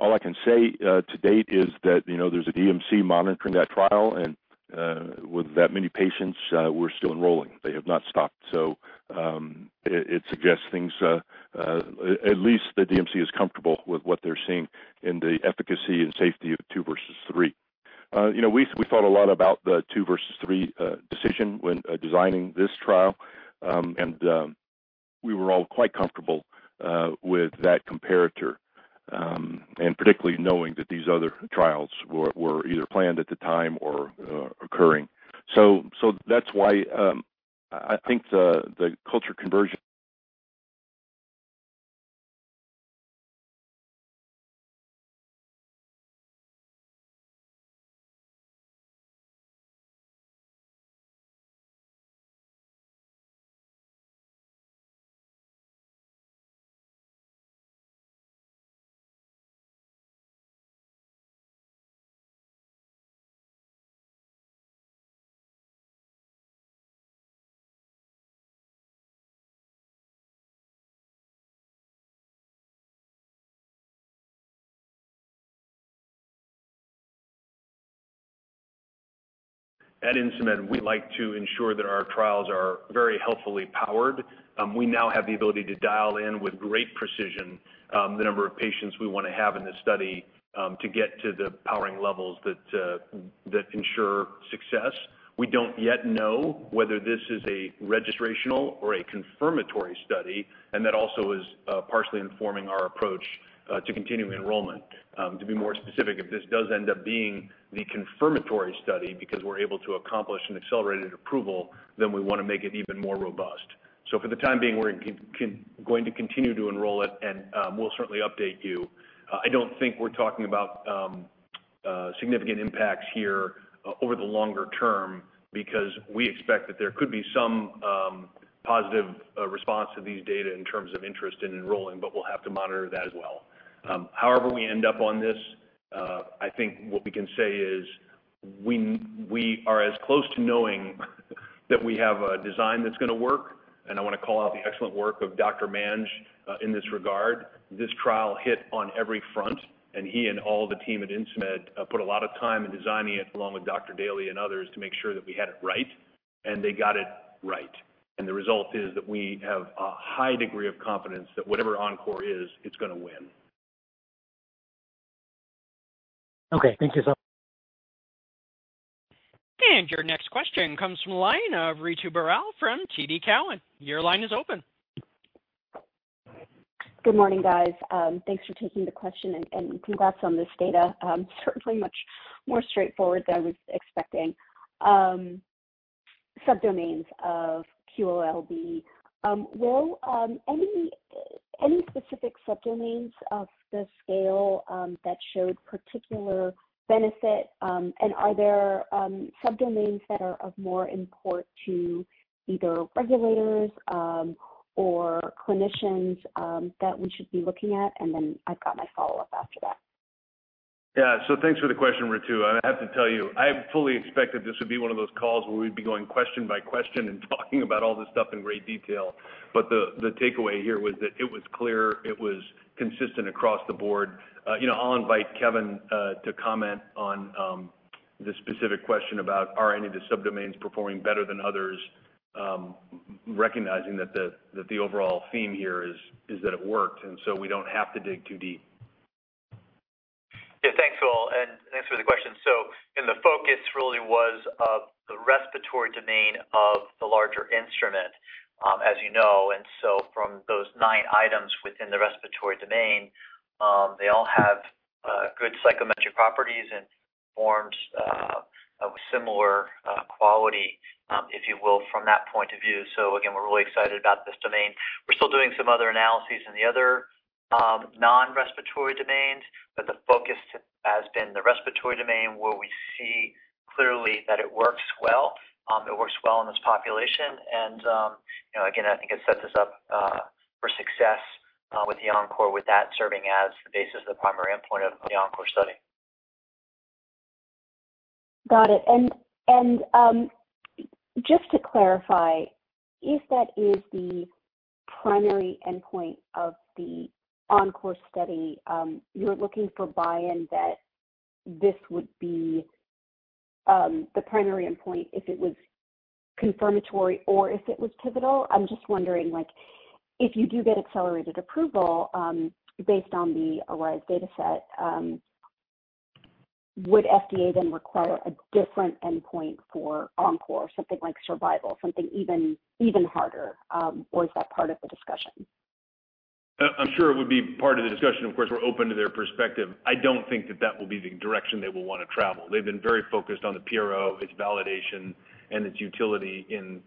All I can say to date is that, you know, there's a DMC monitoring that trial, and with that many patients, we're still enrolling. They have not stopped. So, it suggests things... At least the DMC is comfortable with what they're seeing in the efficacy and safety of two versus three. You know, we thought a lot about the two versus three decision when designing this trial. And we were all quite comfortable with that comparator, and particularly knowing that these other trials were either planned at the time or occurring. So that's why, I think the culture conversion—At Insmed, we like to ensure that our trials are very helpfully powered. We now have the ability to dial in with great precision the number of patients we want to have in the study to get to the powering levels that ensure success. We don't yet know whether this is a registrational or a confirmatory study, and that also is partially informing our approach to continuing enrollment. To be more specific, if this does end up being the confirmatory study because we're able to accomplish an accelerated approval, then we want to make it even more robust. So for the time being, we're going to continue to enroll it, and we'll certainly update you. I don't think we're talking about significant impacts here over the longer term, because we expect that there could be some positive response to these data in terms of interest in enrolling, but we'll have to monitor that as well. However, we end up on this, I think what we can say is, we are as close to knowing that we have a design that's gonna work, and I want to call out the excellent work of Dr. Mange in this regard. This trial hit on every front, and he and all the team at Insmed put a lot of time in designing it, along with Dr. Daley and others, to make sure that we had it right, and they got it right. And the result is that we have a high degree of confidence that whatever ENCORE is, it's gonna win. Okay, thank you, sir. Your next question comes from the line of Ritu Baral from TD Cowen. Your line is open. Good morning, guys. Thanks for taking the question, and congrats on this data. Certainly much more straightforward than I was expecting. Subdomains of QOL-B, were any specific subdomains of the scale that showed particular benefit? And are there subdomains that are of more import to either regulators or clinicians that we should be looking at? And then I've got my follow-up after that. Yeah. So thanks for the question, Ritu. I have to tell you, I fully expected this would be one of those calls where we'd be going question by question and talking about all this stuff in great detail. But the takeaway here was that it was clear, it was consistent across the board. You know, I'll invite Kevin to comment on the specific question about, are any of the subdomains performing better than others? Recognizing that the overall theme here is that it worked, and so we don't have to dig too deep. Yeah, thanks, Will, and thanks for the question. So and the focus really was of the respiratory domain of the larger instrument, as you know, and so from those nine items within the respiratory domain, they all have good psychometric properties and forms of similar quality, if you will, from that point of view. So again, we're really excited about this domain. We're still doing some other analyses in the other non-respiratory domains, but the focus has been the respiratory domain, where we see clearly that it works well. It works well in this population, and, you know, again, I think it sets us up for success with the ENCORE, with that serving as the basis of the primary endpoint of the ENCORE study. Got it. And just to clarify, if that is the primary endpoint of the ENCORE study, you're looking for buy-in that this would be the primary endpoint if it was confirmatory or if it was pivotal? I'm just wondering, like, if you do get accelerated approval, based on the ARISE dataset, would FDA then require a different endpoint for ENCORE, something like survival, something even harder, or is that part of the discussion? I'm sure it would be part of the discussion. Of course, we're open to their perspective. I don't think that that will be the direction they will want to travel. They've been very focused on the PRO, its validation, and its utility in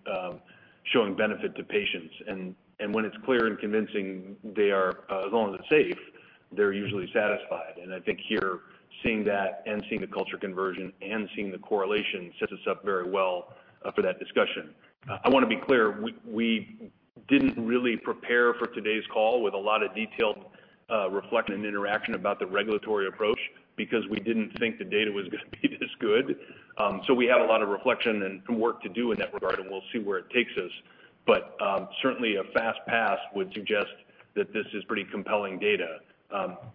showing benefit to patients. And when it's clear and convincing, they are, as long as it's safe, they're usually satisfied. And I think here, seeing that and seeing the culture conversion and seeing the correlation sets us up very well for that discussion. I want to be clear, we, we didn't really prepare for today's call with a lot of detailed reflection and interaction about the regulatory approach, because we didn't think the data was going to be this good. So we had a lot of reflection and work to do in that regard, and we'll see where it takes us. But, certainly, a fast pass would suggest that this is pretty compelling data.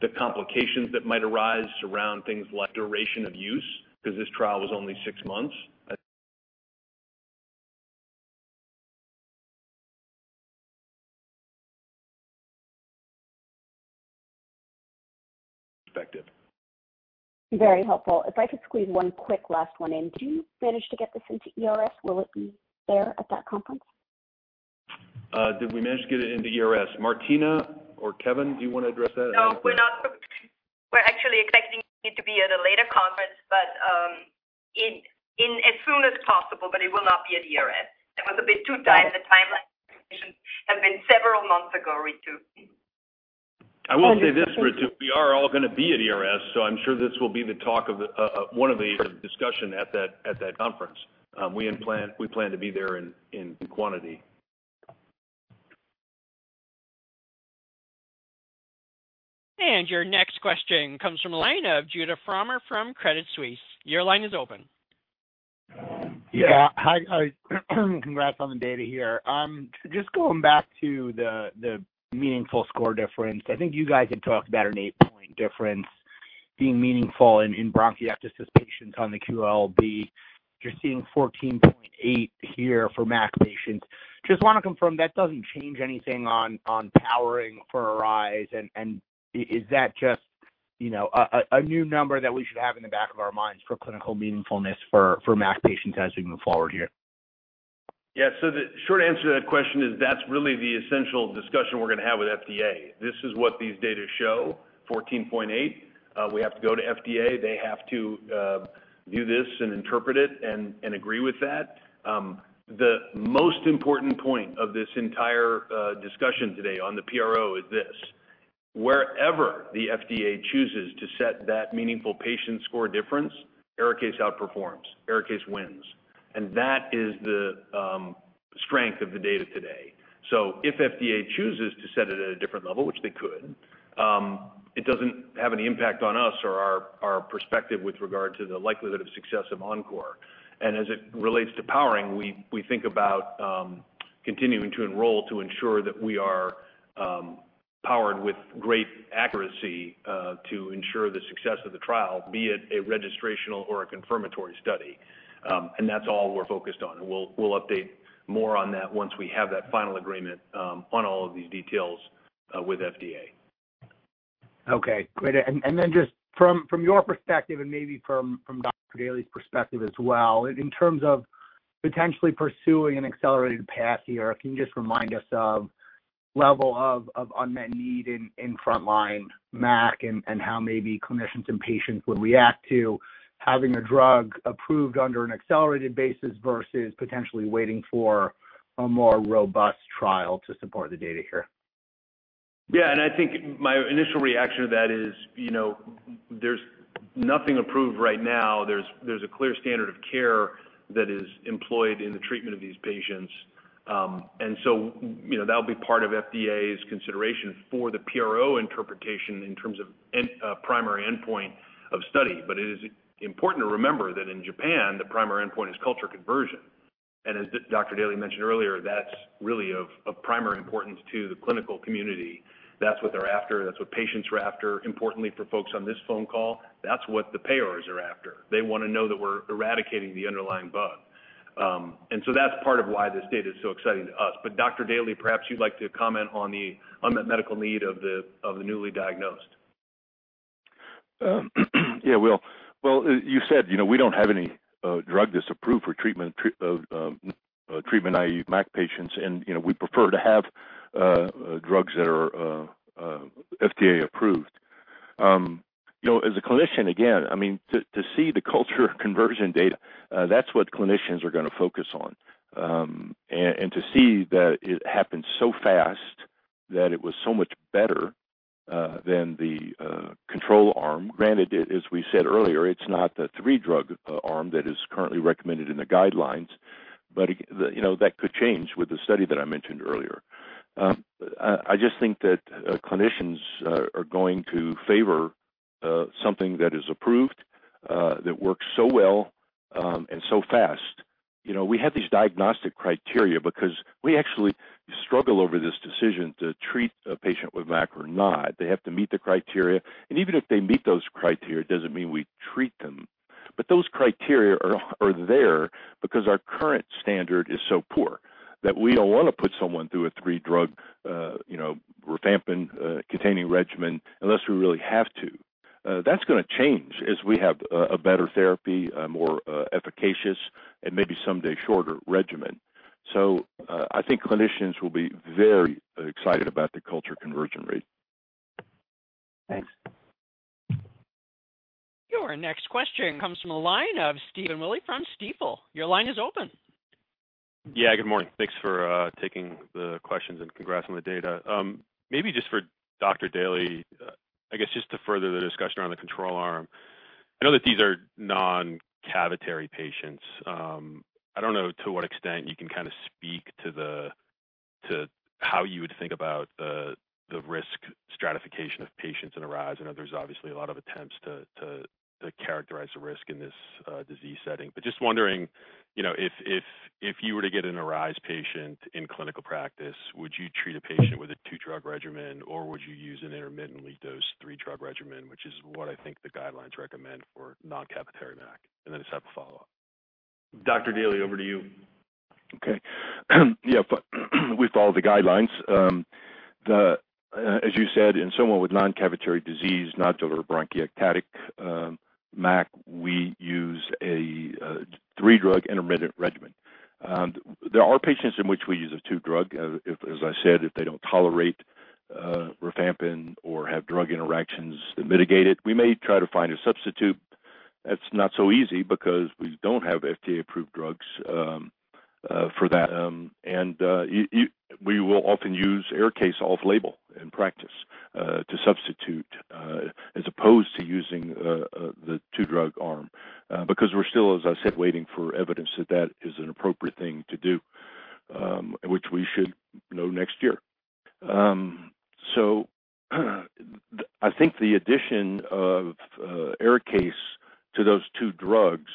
The complications that might arise around things like duration of use, because this trial was only six months. Very helpful. If I could squeeze one quick last one in. Do you manage to get this into ERS? Will it be there at that conference? Did we manage to get it into ERS? Martina or Kevin, do you want to address that? No, we're not. We're actually expecting it to be at a later conference, but in as soon as possible, but it will not be at ERS. It was a bit too tight. The timeline have been several months ago, Ritu. I will say this, Ritu, we are all going to be at ERS, so I'm sure this will be the talk of the one of the discussion at that conference. We plan to be there in quantity. Your next question comes from the line of Judah Frommer from Credit Suisse. Your line is open. Yeah. Hi, hi. Congrats on the data here. Just going back to the meaningful score difference, I think you guys had talked about an 8-point difference being meaningful in bronchiectasis patients on the QLB. You're seeing 14.8 here for MAC patients. Just want to confirm, that doesn't change anything on powering for ARISE, and is that just, you know, a new number that we should have in the back of our minds for clinical meaningfulness for MAC patients as we move forward here? Yeah, so the short answer to that question is that's really the essential discussion we're going to have with FDA. This is what these data show, 14.8. We have to go to FDA. They have to view this and interpret it and agree with that. The most important point of this entire discussion today on the PRO is this: wherever the FDA chooses to set that meaningful patient score difference, ARIKAYCE outperforms, ARIKAYCE wins, and that is the strength of the data today. So if FDA chooses to set it at a different level, which they could, it doesn't have any impact on us or our perspective with regard to the likelihood of success of ENCORE. As it relates to powering, we think about continuing to enroll to ensure that we are powered with great accuracy to ensure the success of the trial, be it a registrational or a confirmatory study. That's all we're focused on, and we'll update more on that once we have that final agreement on all of these details with FDA. Okay, great. Then just from your perspective and maybe from Dr. Daley's perspective as well, in terms of potentially pursuing an accelerated path here, can you just remind us of level of unmet need in frontline MAC and how maybe clinicians and patients would react to having a drug approved under an accelerated basis versus potentially waiting for a more robust trial to support the data here? Yeah, and I think my initial reaction to that is, you know, there's nothing approved right now. There's a clear standard of care that is employed in the treatment of these patients. And so, you know, that'll be part of FDA's consideration for the PRO interpretation in terms of end primary endpoint of study. But it is important to remember that in Japan, the primary endpoint is culture conversion. And as Dr. Daley mentioned earlier, that's really of primary importance to the clinical community. That's what they're after. That's what patients are after. Importantly, for folks on this phone call, that's what the payers are after. They want to know that we're eradicating the underlying bug. And so that's part of why this data is so exciting to us. But Dr. Daley, perhaps you'd like to comment on the unmet medical need of the newly diagnosed. Well, you said, you know, we don't have any drug that's approved for treatment of treatment, i.e. MAC patients, and, you know, we prefer to have drugs that are FDA approved. You know, as a clinician, again, I mean, to see the culture conversion data, that's what clinicians are going to focus on. And to see that it happened so fast, that it was so much better than the control arm. Granted, as we said earlier, it's not the three-drug arm that is currently recommended in the guidelines, but, you know, that could change with the study that I mentioned earlier. I just think that clinicians are going to favor something that is approved, that works so well, and so fast. You know, we have these diagnostic criteria because we actually struggle over this decision to treat a patient with MAC or not. They have to meet the criteria, and even if they meet those criteria, it doesn't mean we treat them. But those criteria are there because our current standard is so poor that we don't want to put someone through a three-drug, you know, rifampin, containing regimen unless we really have to. That's going to change as we have a better therapy, a more efficacious and maybe someday shorter regimen. So, I think clinicians will be very excited about the culture conversion rate. Thanks.... Our next question comes from the line of Stephen Willey from Stifel. Your line is open. Yeah, good morning. Thanks for taking the questions, and congrats on the data. Maybe just for Dr. Daley, I guess just to further the discussion around the control arm. I know that these are non-cavitary patients. I don't know to what extent you can kind of speak to the, to how you would think about the, the risk stratification of patients in ARISE. I know there's obviously a lot of attempts to, to, to characterize the risk in this disease setting. But just wondering, you know, if, if, if you were to get an ARISE patient in clinical practice, would you treat a patient with a two-drug regimen, or would you use an intermittent lead dose three-drug regimen, which is what I think the guidelines recommend for non-cavitary MAC? And then just have a follow-up. Dr. Daley, over to you. Okay. Yeah, with all the guidelines, as you said, in someone with non-cavitary disease, not bronchiectasis, MAC, we use a three-drug intermittent regimen. There are patients in which we use a two-drug. If, as I said, if they don't tolerate rifampin or have drug interactions that mitigate it, we may try to find a substitute. That's not so easy because we don't have FDA-approved drugs for that. And we will often use ARIKAYCE off-label in practice to substitute as opposed to using the two-drug arm. Because we're still, as I said, waiting for evidence that that is an appropriate thing to do, which we should know next year. So, I think the addition of ARIKAYCE to those two drugs,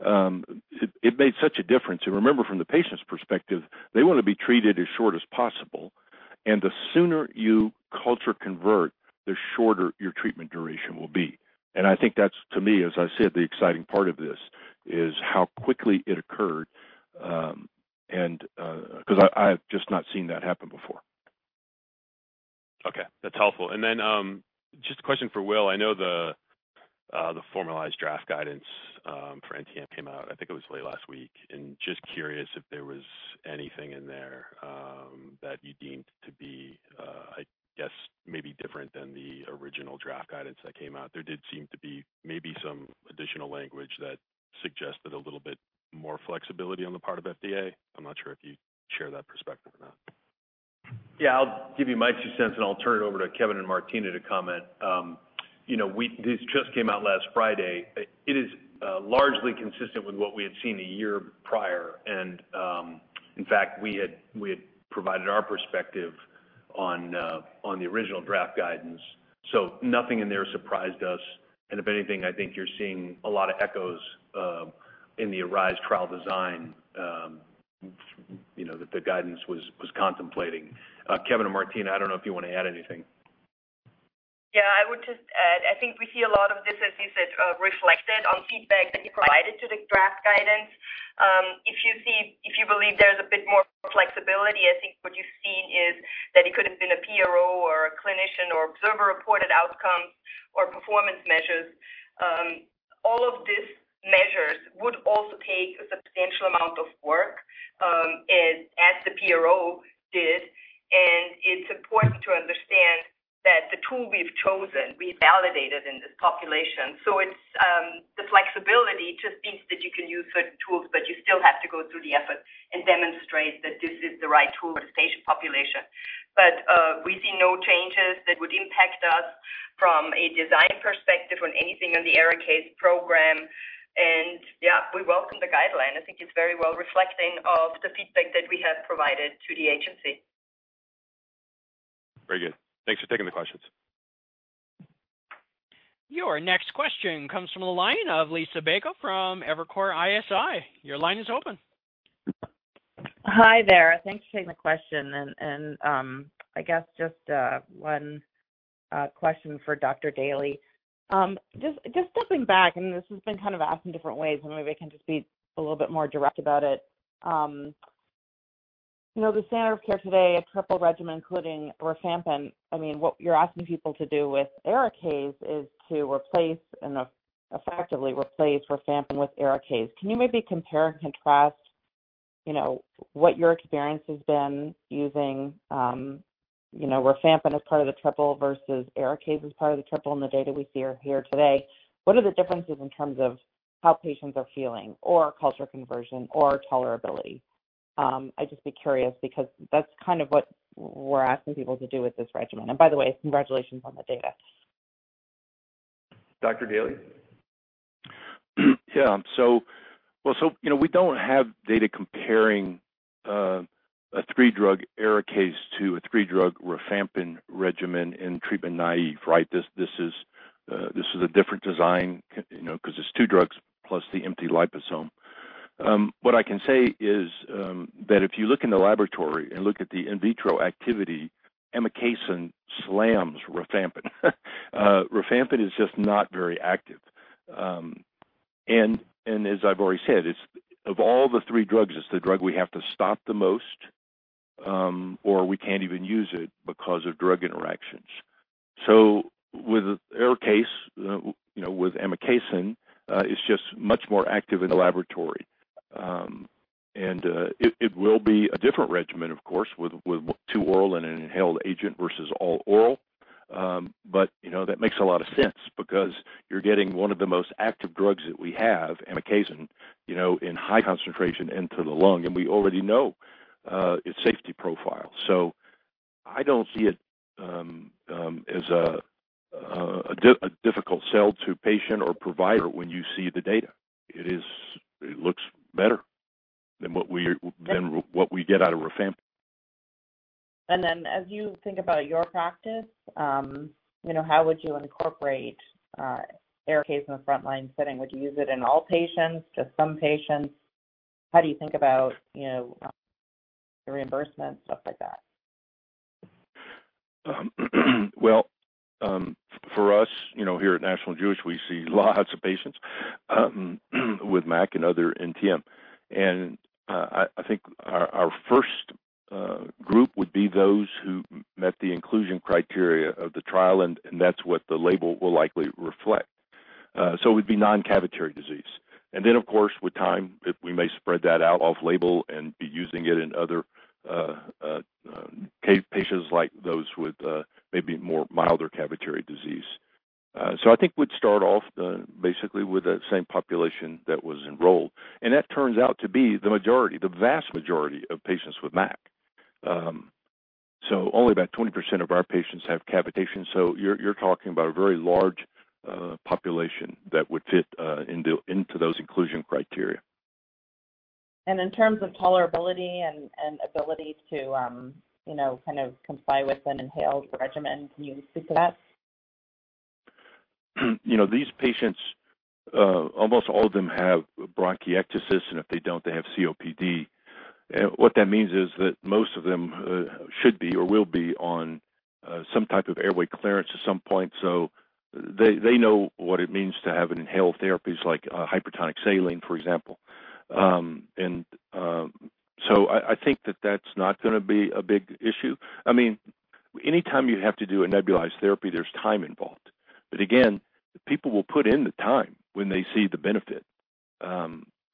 it made such a difference. And remember, from the patient's perspective, they want to be treated as short as possible, and the sooner you culture convert, the shorter your treatment duration will be. And I think that's, to me, as I said, the exciting part of this, is how quickly it occurred. And because I've just not seen that happen before. Okay, that's helpful. And then, just a question for Will. I know the formalized draft guidance for NTM came out, I think it was late last week. And just curious if there was anything in there that you deemed to be, I guess maybe different than the original draft guidance that came out? There did seem to be maybe some additional language that suggested a little bit more flexibility on the part of FDA. I'm not sure if you share that perspective or not. Yeah, I'll give you my two cents, and I'll turn it over to Kevin and Martina to comment. You know, we... This just came out last Friday. It is largely consistent with what we had seen a year prior, and in fact, we had provided our perspective on the original draft guidance, so nothing in there surprised us. And if anything, I think you're seeing a lot of echoes in the ARISE trial design, you know, that the guidance was contemplating. Kevin and Martina, I don't know if you want to add anything. Yeah, I would just add, I think we see a lot of this, as you said, reflected on feedback that you provided to the draft guidance. If you believe there's a bit more flexibility, I think what you've seen is that it could have been a PRO, or a clinician, or observer-reported outcome, or performance measures. All of these measures would also take a substantial amount of work, as the PRO did. And it's important to understand that the tool we've chosen, we validated in this population. So it's the flexibility just means that you can use certain tools, but you still have to go through the effort and demonstrate that this is the right tool or patient population. But we see no changes that would impact us from a design perspective on anything on the ARIKAYCE program. Yeah, we welcome the guideline. I think it's very well reflecting of the feedback that we have provided to the agency. Very good. Thanks for taking the questions. Your next question comes from the line of Lisa Bayko from Evercore ISI. Your line is open. Hi there. Thanks for taking the question. I guess just one question for Dr. Daley. Just stepping back, and this has been kind of asked in different ways, and maybe I can just be a little bit more direct about it. You know, the standard of care today, a triple regimen, including rifampin. I mean, what you're asking people to do with Arikayce is to replace and effectively replace rifampin with Arikayce. Can you maybe compare and contrast, you know, what your experience has been using, you know, rifampin as part of the triple versus Arikayce as part of the triple in the data we see here today? What are the differences in terms of how patients are feeling, or culture conversion, or tolerability? I'd just be curious, because that's kind of what we're asking people to do with this regimen. By the way, congratulations on the data. Dr. Daley? Yeah. So, well, so, you know, we don't have data comparing a three-drug ARIKAYCE to a three-drug rifampin regimen in treatment naive, right? This is a different design, you know, because it's two drugs plus the empty liposome. What I can say is that if you look in the laboratory and look at the in vitro activity, amikacin slams rifampin. Rifampin is just not very active. And as I've already said, it's of all the three drugs, it's the drug we have to stop the most, or we can't even use it because of drug interactions. So with ARIKAYCE, you know, with amikacin, it's just much more active in the laboratory. And it will be a different regimen, of course, with two oral and an inhaled agent versus all oral. But, you know, that makes a lot of sense because you're getting one of the most active drugs that we have, amikacin, you know, in high concentration into the lung, and we already know its safety profile. So I don't see it as a difficult sell to patient or provider when you see the data. It looks better than what we get out of rifampin. And then, as you think about your practice, you know, how would you incorporate ARIKAYCE in the frontline setting? Would you use it in all patients, just some patients? How do you think about, you know, the reimbursement, stuff like that? Well, for us, you know, here at National Jewish, we see lots of patients with MAC and other NTM. And I think our first group would be those who met the inclusion criteria of the trial, and that's what the label will likely reflect. So it would be non-cavitary disease. And then, of course, with time, if we may spread that out off-label and be using it in other patients like those with maybe more milder cavitary disease. So I think we'd start off basically with that same population that was enrolled, and that turns out to be the majority, the vast majority of patients with MAC. So only about 20% of our patients have cavitation, so you're talking about a very large population that would fit into those inclusion criteria. In terms of tolerability and ability to, you know, kind of comply with an inhaled regimen, can you speak to that? You know, these patients, almost all of them have bronchiectasis, and if they don't, they have COPD. And what that means is that most of them should be or will be on some type of airway clearance at some point. So they know what it means to have an inhaled therapies like hypertonic saline, for example. So I think that that's not gonna be a big issue. I mean, anytime you have to do a nebulized therapy, there's time involved. But again, the people will put in the time when they see the benefit.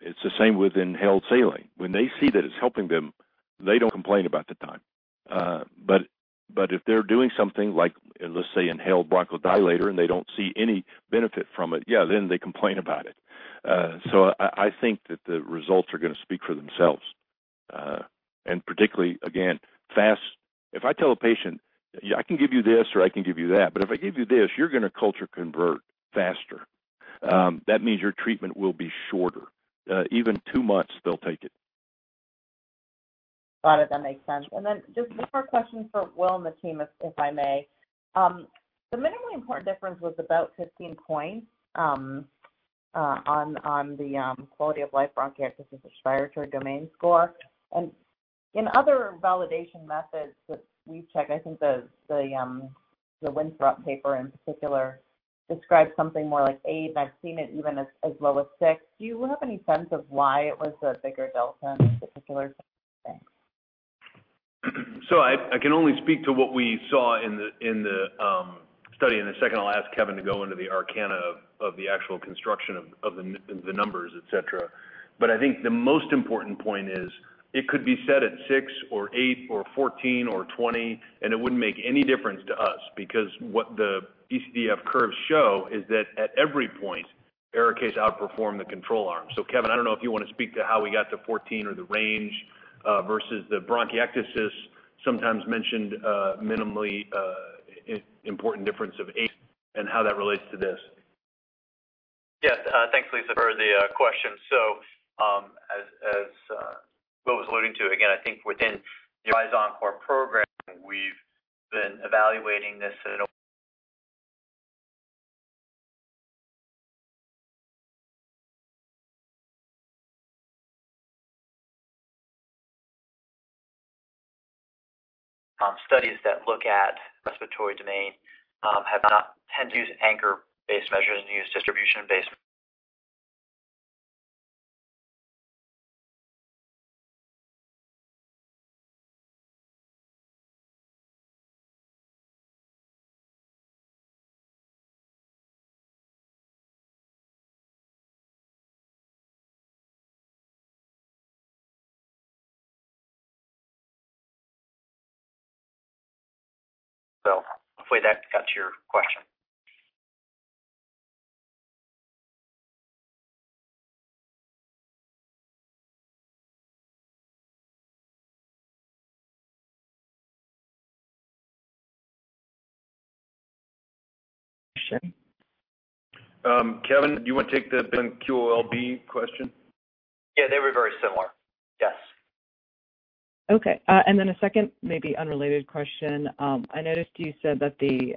It's the same with inhaled saline. When they see that it's helping them, they don't complain about the time. But if they're doing something like, let's say, inhaled bronchodilator, and they don't see any benefit from it, yeah, then they complain about it. So I think that the results are gonna speak for themselves. And particularly, again, fast... If I tell a patient, "I can give you this, or I can give you that, but if I give you this, you're gonna culture convert faster, that means your treatment will be shorter," even two months, they'll take it. A lot of that makes sense. And then just one more question for Will and the team, if I may. The minimally important difference was about 15 points on the quality of life bronchiectasis respiratory domain score. And in other validation methods that we've checked, I think the Winthrop paper in particular describes something more like eight, and I've seen it even as low as six. Do you have any sense of why it was a bigger delta in particular? Thanks. So I can only speak to what we saw in the study. And the second I'll ask Kevin to go into the arcana of the actual construction of the numbers, et cetera. But I think the most important point is it could be set at 6 or 8 or 14 or 20, and it wouldn't make any difference to us because what the ECDF curves show is that at every point, ARIKAYCE outperformed the control arm. So, Kevin, I don't know if you want to speak to how we got to 14 or the range versus the bronchiectasis sometimes mentioned minimally important difference of 8 and how that relates to this. Yes. Thanks, Lisa, for the question. So, as Will was alluding to, again, I think within the ENCORE program, we've been evaluating this in studies that look at respiratory domain, have not had to use anchor-based measures and use distribution-based... So hopefully that got to your question. Kevin, do you want to take the QOL-B question? Yeah, they were very similar. Yes. Okay, and then a second, maybe unrelated question. I noticed you said that the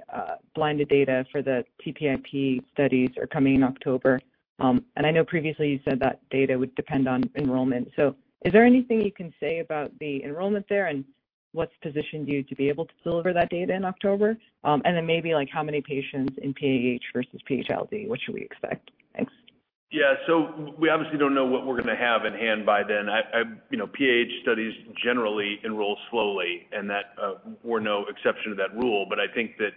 blinded data for the TPIP studies are coming in October. And I know previously you said that data would depend on enrollment. So is there anything you can say about the enrollment there, and what's positioned you to be able to deliver that data in October? And then maybe, like, how many patients in PAH versus PH-ILD, what should we expect? Thanks. Yeah. So we obviously don't know what we're gonna have in hand by then. You know, PAH studies generally enroll slowly, and that we're no exception to that rule. But I think that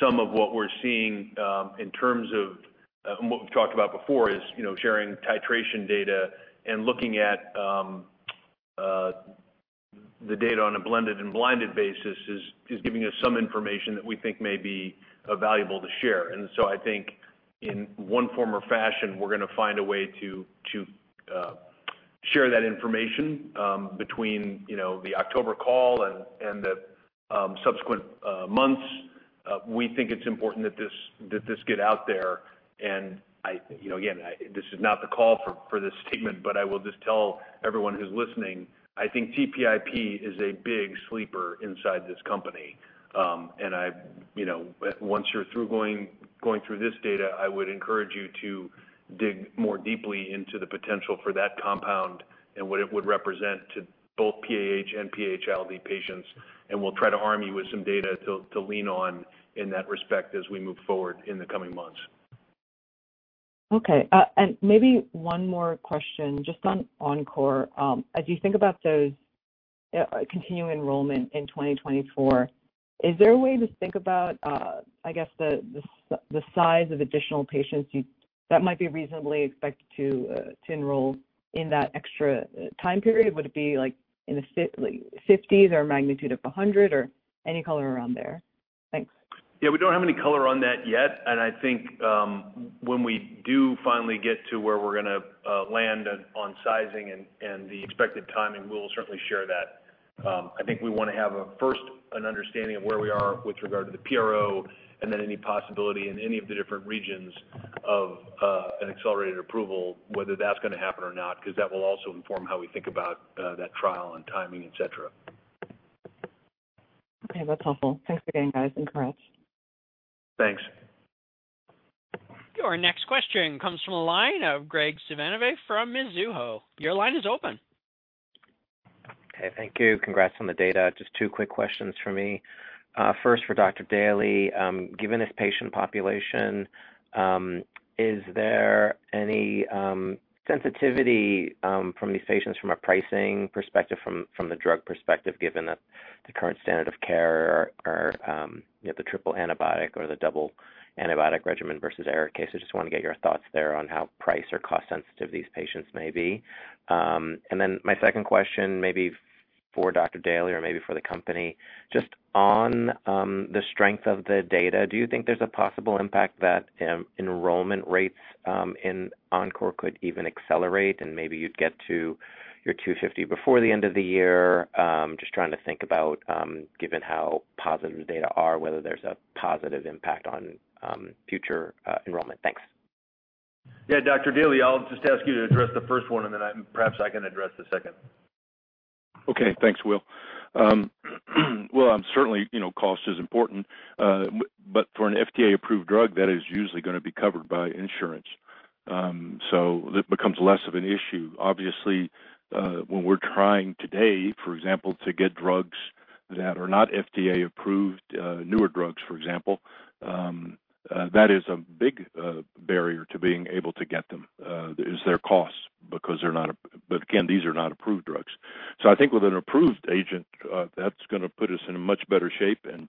some of what we're seeing in terms of and what we've talked about before is, you know, sharing titration data and looking at the data on a blended and blinded basis is giving us some information that we think may be valuable to share. And so I think in one form or fashion, we're going to find a way to share that information between, you know, the October call and the subsequent months. We think it's important that this get out there, and I, you know, again, this is not the call for this statement, but I will just tell everyone who's listening, I think TPIP is a big sleeper inside this company. And I, you know, once you're through going through this data, I would encourage you to dig more deeply into the potential for that compound and what it would represent to both PAH and PAH-ILD patients. And we'll try to arm you with some data to lean on in that respect as we move forward in the coming months. Okay. And maybe one more question, just on ENCORE. As you think about those continuing enrollment in 2024, is there a way to think about, I guess, the size of additional patients that might be reasonably expected to enroll in that extra time period? Would it be like in the fifties or a magnitude of a hundred, or any color around there? Thanks. Yeah, we don't have any color on that yet, and I think, when we do finally get to where we're gonna land on sizing and the expected timing, we will certainly share that. I think we want to have a first, an understanding of where we are with regard to the PRO, and then any possibility in any of the different regions of an accelerated approval, whether that's gonna happen or not, because that will also inform how we think about that trial and timing, et cetera. Okay, that's helpful. Thanks again, guys, and congrats. Thanks. Your next question comes from the line of Greg Silvanouve from Mizuho. Your line is open. Okay, thank you. Congrats on the data. Just two quick questions for me. First, for Dr. Daley. Given this patient population, is there any sensitivity from these patients from a pricing perspective, from the drug perspective, given that the current standard of care are, you know, the triple antibiotic or the double antibiotic regimen versus ARIKAYCE? So just want to get your thoughts there on how price or cost sensitive these patients may be. And then my second question, maybe for Dr. Daley or maybe for the company, just on the strength of the data, do you think there's a possible impact that enrollment rates in ENCORE could even accelerate and maybe you'd get to your 250 before the end of the year? Just trying to think about, given how positive the data are, whether there's a positive impact on future enrollment. Thanks. Yeah. Dr. Daley, I'll just ask you to address the first one, and then I'm, perhaps I can address the second. Okay, thanks, Will. Well, certainly, you know, cost is important, but for an FDA-approved drug, that is usually gonna be covered by insurance, so it becomes less of an issue. Obviously, when we're trying today, for example, to get drugs that are not FDA-approved, newer drugs, for example, that is a big barrier to being able to get them, is their cost, because they're not, but again, these are not approved drugs. So I think with an approved agent, that's gonna put us in a much better shape and,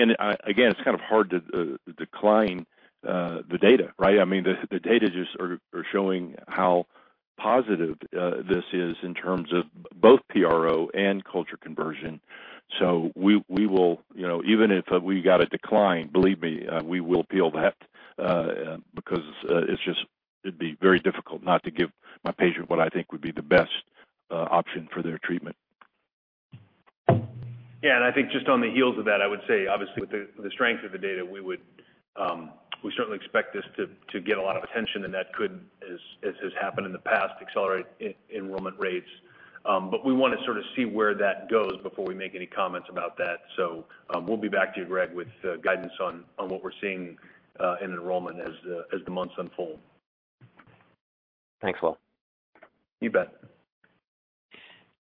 And, again, it's kind of hard to decline the data, right? I mean, the data just are showing how positive this is in terms of both PRO and culture conversion. We will, you know, even if we got a decline, believe me, we will appeal that because it's just, it'd be very difficult not to give my patient what I think would be the best option for their treatment. Yeah, and I think just on the heels of that, I would say, obviously, with the strength of the data, we would certainly expect this to get a lot of attention, and that could, as has happened in the past, accelerate enrollment rates. But we want to sort of see where that goes before we make any comments about that. So, we'll be back to you, Greg, with guidance on what we're seeing in enrollment as the months unfold. Thanks, Will. You bet.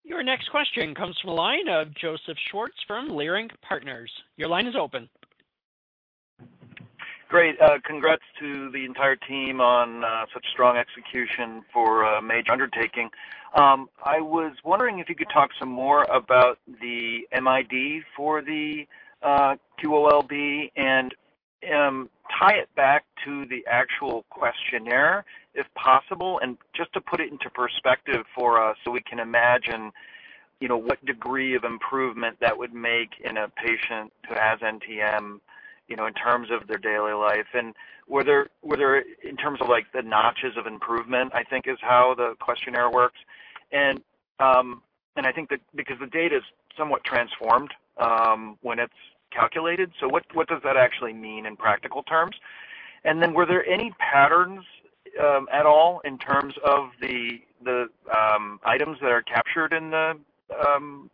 Your next question comes from the line of Joseph Schwartz from Leerink Partners. Your line is open. Great. Congrats to the entire team on such strong execution for a major undertaking. I was wondering if you could talk some more about the MID for the QOL-B and tie it back to the actual questionnaire, if possible, and just to put it into perspective for us, so we can imagine, you know, what degree of improvement that would make in a patient who has NTM, you know, in terms of their daily life. And were there, in terms of like the notches of improvement, I think, is how the questionnaire works. And I think that because the data is somewhat transformed when it's calculated, so what does that actually mean in practical terms? And then, were there any patterns, at all in terms of the items that are captured in the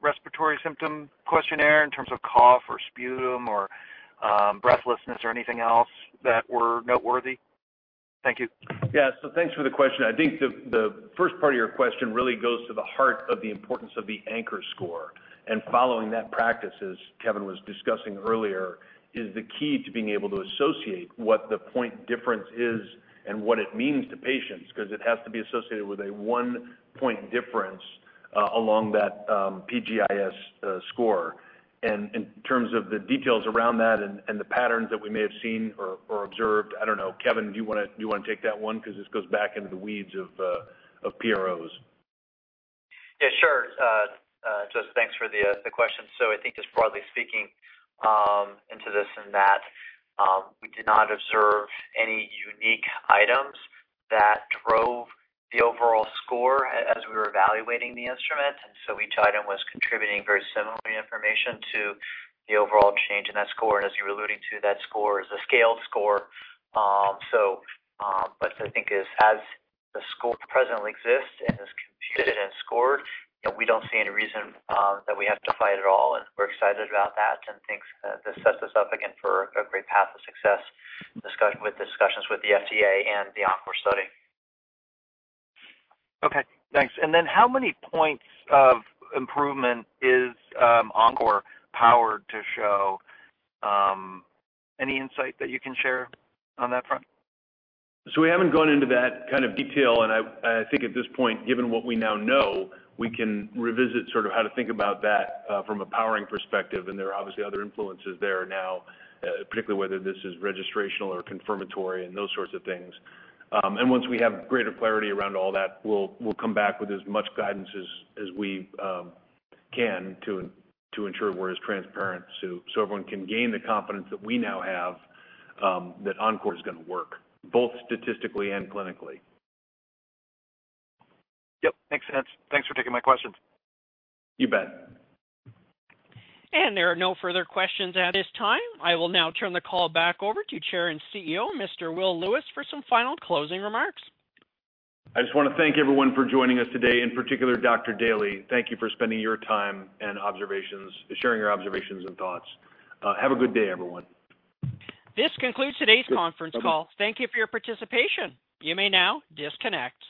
respiratory symptom questionnaire in terms of cough or sputum or breathlessness or anything else that were noteworthy? Thank you. Yeah. So thanks for the question. I think the first part of your question really goes to the heart of the importance of the anchor score. And following that practice, as Kevin was discussing earlier, is the key to being able to associate what the point difference is and what it means to patients, because it has to be associated with a one-point difference along that PGIS score. And in terms of the details around that and the patterns that we may have seen or observed, I don't know. Kevin, do you wanna take that one? Because this goes back into the weeds of PROs. Yeah, sure. Just thanks for the question. So I think just broadly speaking, into this, in that, we did not observe any unique items that drove the overall score as we were evaluating the instrument. And so each item was contributing very similar information to the overall change in that score. And as you were alluding to, that score is a scaled score. So, but I think as the score presently exists and is computed and scored, you know, we don't see any reason that we have to fight at all, and we're excited about that, and think this sets us up again for a great path of success, discussions with the FDA and the ENCORE study. Okay, thanks. And then how many points of improvement is ENCORE powered to show? Any insight that you can share on that front? So we haven't gone into that kind of detail, and I, I think at this point, given what we now know, we can revisit sort of how to think about that, from a powering perspective, and there are obviously other influences there now, particularly whether this is registrational or confirmatory and those sorts of things. And once we have greater clarity around all that, we'll, we'll come back with as much guidance as, as we, can to, to ensure we're as transparent, so, so everyone can gain the confidence that we now have, that ENCORE is gonna work, both statistically and clinically. Yep, makes sense. Thanks for taking my questions. You bet. There are no further questions at this time. I will now turn the call back over to Chair and CEO, Mr. Will Lewis, for some final closing remarks. I just want to thank everyone for joining us today, in particular, Dr. Daley. Thank you for spending your time and observations, sharing your observations and thoughts. Have a good day, everyone. This concludes today's conference call. Thank you for your participation. You may now disconnect.